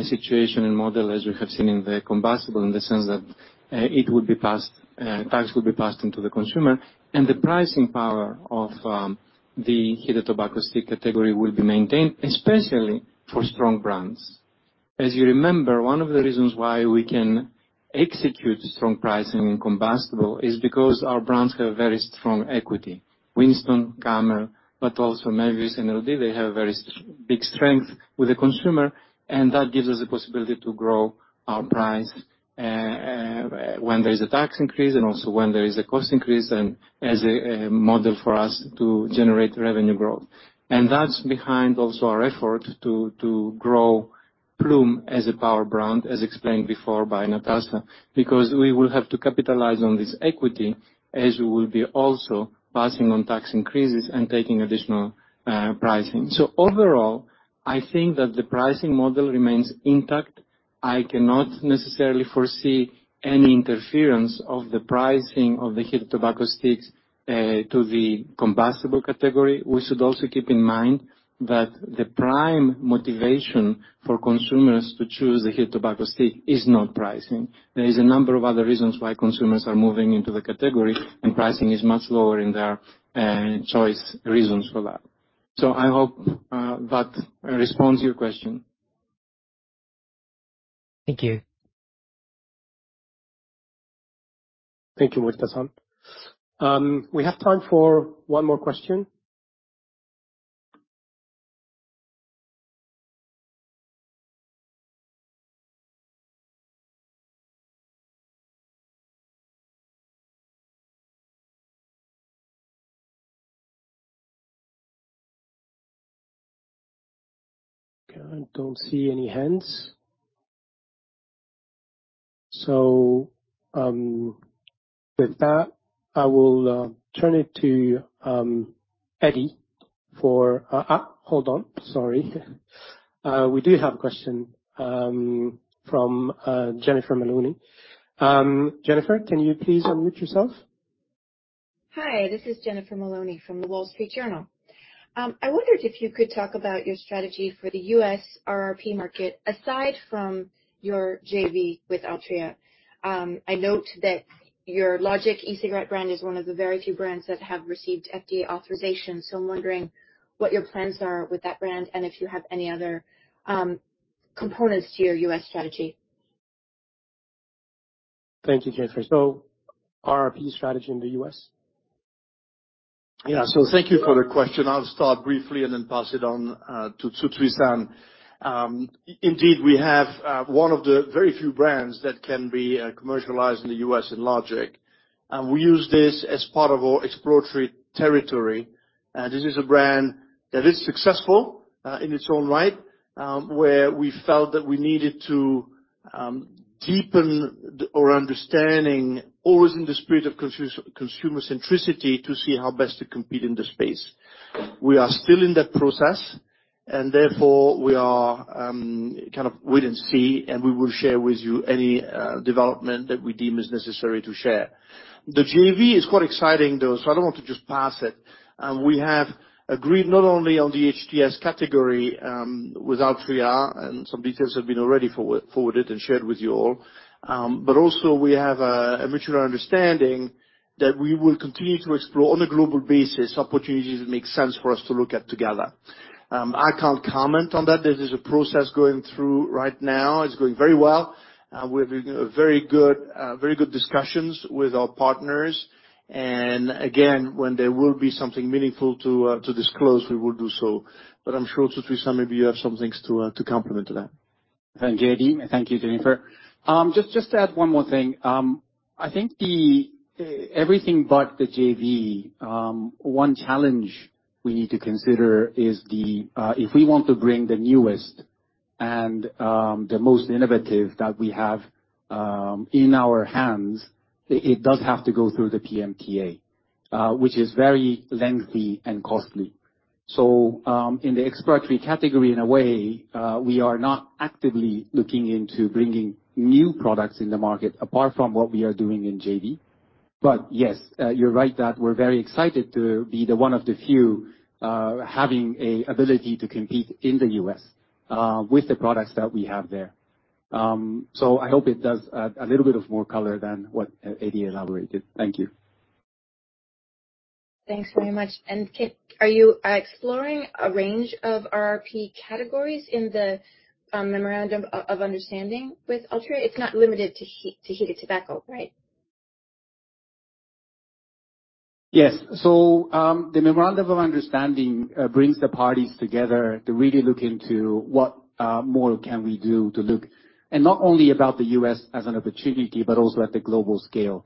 situation and model as we have seen in the combustible in the sense that tax will be passed into the consumer, and the pricing power of the heated tobacco stick category will be maintained, especially for strong brands. As you remember, one of the reasons why we can execute strong pricing in combustible is because our brands have very strong equity. Winston, Camel, but also Mevius and LD, they have a very big strength with the consumer, and that gives us the possibility to grow our price when there is a tax increase and also when there is a cost increase and as a model for us to generate revenue growth. And that's behind also our effort to grow Ploom as a power brand, as explained before by Natasa, because we will have to capitalize on this equity as we will be also passing on tax increases and taking additional pricing. So overall, I think that the pricing model remains intact. I cannot necessarily foresee any interference of the pricing of the heated tobacco sticks to the combustible category. We should also keep in mind that the prime motivation for consumers to choose the heated tobacco stick is not pricing. There is a number of other reasons why consumers are moving into the category, and pricing is much lower in their choice reasons for that. So I hope that responds to your question. Thank you. Thank you, Morita-san. We have time for one more question. I don't see any hands. So with that, I will turn it to Eddy for a - hold on. Sorry. We do have a question from Jennifer Maloney. Jennifer, can you please unmute yourself? Hi. This is Jennifer Maloney from The Wall Street Journal. I wondered if you could talk about your strategy for the U.S. R&P market aside from your JV with Altria. I note that your Logic e-cigarette brand is one of the very few brands that have received FDA authorization. I'm wondering what your plans are with that brand and if you have any other components to your U.S. strategy. Thank you, Jennifer. So RRP strategy in the U.S.? Yeah. So thank you for the question. I'll start briefly and then pass it on to Tsutsui-san. Indeed, we have one of the very few brands that can be commercialized in the U.S. in Logic. We use this as part of our exploratory territory. This is a brand that is successful in its own right, where we felt that we needed to deepen our understanding, always in the spirit of consumer-centricity, to see how best to compete in the space. We are still in that process, and therefore, we are kind of wait and see, and we will share with you any development that we deem is necessary to share. The JV is quite exciting, though, so I don't want to just pass it. We have agreed not only on the HTS category with Altria, and some details have been already forwarded and shared with you all, but also, we have a mutual understanding that we will continue to explore on a global basis opportunities that make sense for us to look at together. I can't comment on that. This is a process going through right now. It's going very well. We're having very good discussions with our partners. And again, when there will be something meaningful to disclose, we will do so. But I'm sure Fujiwara-san, maybe you have some things to comment on that. Thank you, Eddy. Thank you, Jennifer. Just to add one more thing. I think everything but the JV. One challenge we need to consider is if we want to bring the newest and the most innovative that we have in our hands, it does have to go through the PMTA, which is very lengthy and costly. So in the exploratory category, in a way, we are not actively looking into bringing new products in the market apart from what we are doing in JV. But yes, you're right that we're very excited to be one of the few having an ability to compete in the U.S. with the products that we have there. So I hope it does a little bit of more color than what Eddy elaborated. Thank you. Thanks very much. Are you exploring a range of RRP categories in the memorandum of understanding with Altria? It's not limited to heated tobacco, right? Yes. The memorandum of understanding brings the parties together to really look into what more can we do to look and not only about the U.S. as an opportunity, but also at the global scale.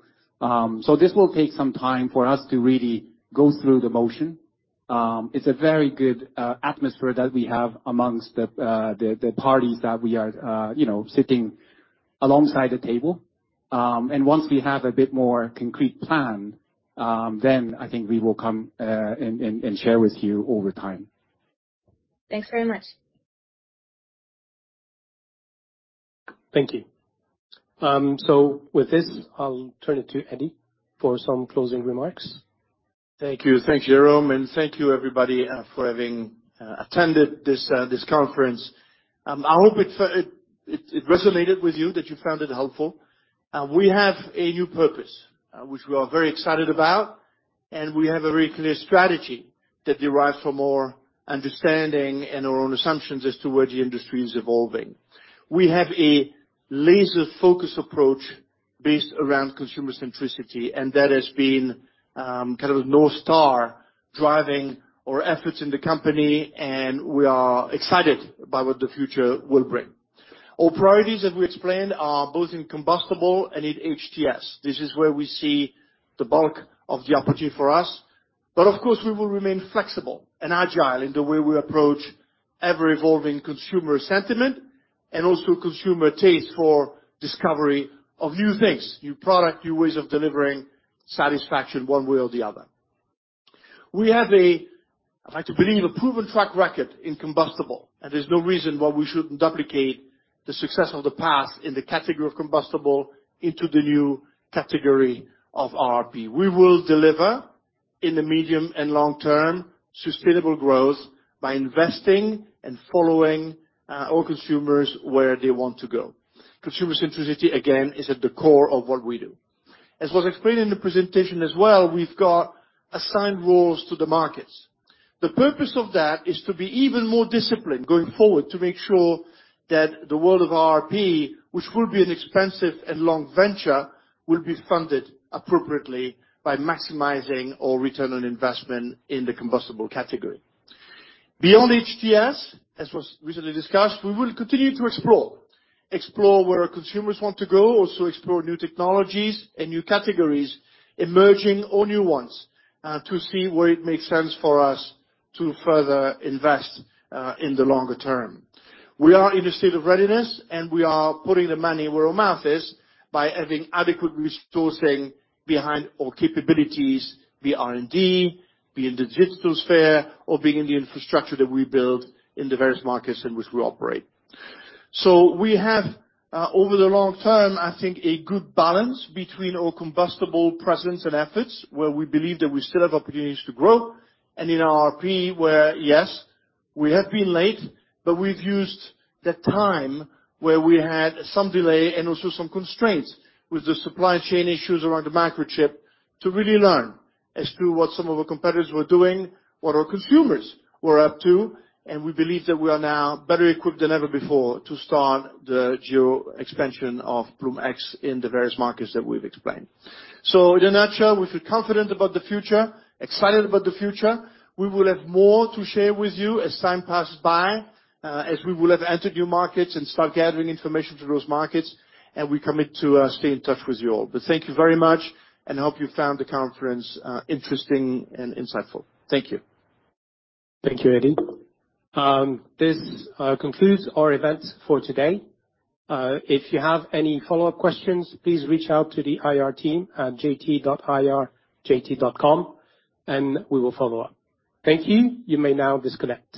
This will take some time for us to really go through the motion. It's a very good atmosphere that we have amongst the parties that we are sitting alongside the table. Once we have a bit more concrete plan, then I think we will come and share with you over time. Thanks very much. Thank you. With this, I'll turn it to Eddy for some closing remarks. Thank you. Thank you, Jerome. And thank you, everybody, for having attended this conference. I hope it resonated with you, that you found it helpful. We have a new purpose, which we are very excited about, and we have a very clear strategy that derives from our understanding and our own assumptions as to where the industry is evolving. We have a laser-focused approach based around consumer-centricity, and that has been kind of a North Star driving our efforts in the company, and we are excited by what the future will bring. Our priorities, as we explained, are both in combustible and in HTS. This is where we see the bulk of the opportunity for us. But of course, we will remain flexible and agile in the way we approach ever-evolving consumer sentiment and also consumer taste for discovery of new things, new products, new ways of delivering satisfaction one way or the other. We have, I'd like to believe, a proven track record in combustible, and there's no reason why we shouldn't duplicate the success of the past in the category of combustible into the new category of R&P. We will deliver in the medium and long-term sustainable growth by investing and following our consumers where they want to go. Consumer-centricity, again, is at the core of what we do. As was explained in the presentation as well, we've got assigned roles to the markets. The purpose of that is to be even more disciplined going forward to make sure that the world of R&P, which will be an expensive and long venture, will be funded appropriately by maximizing our return on investment in the combustible category. Beyond HTS, as was recently discussed, we will continue to explore, explore where consumers want to go, also explore new technologies and new categories, emerging or new ones, to see where it makes sense for us to further invest in the longer term. We are in a state of readiness, and we are putting the money where our mouth is by having adequate resourcing behind our capabilities, be it R&D, be it in the digital sphere, or being in the infrastructure that we build in the various markets in which we operate. So we have, over the long term, I think, a good balance between our combustibles presence and efforts where we believe that we still have opportunities to grow and in RRP where, yes, we have been late, but we've used the time where we had some delay and also some constraints with the supply chain issues around the microchip to really learn as to what some of our competitors were doing, what our consumers were up to, and we believe that we are now better equipped than ever before to start the geo-expansion of Ploom X in the various markets that we've explained. So in a nutshell, we feel confident about the future, excited about the future. We will have more to share with you as time passes by, as we will have entered new markets and start gathering information for those markets, and we commit to stay in touch with you all. But thank you very much, and I hope you found the conference interesting and insightful. Thank you. Thank you, Eddy. This concludes our event for today. If you have any follow-up questions, please reach out to the IR team at jt.ir@jt.com, and we will follow up. Thank you. You may now disconnect.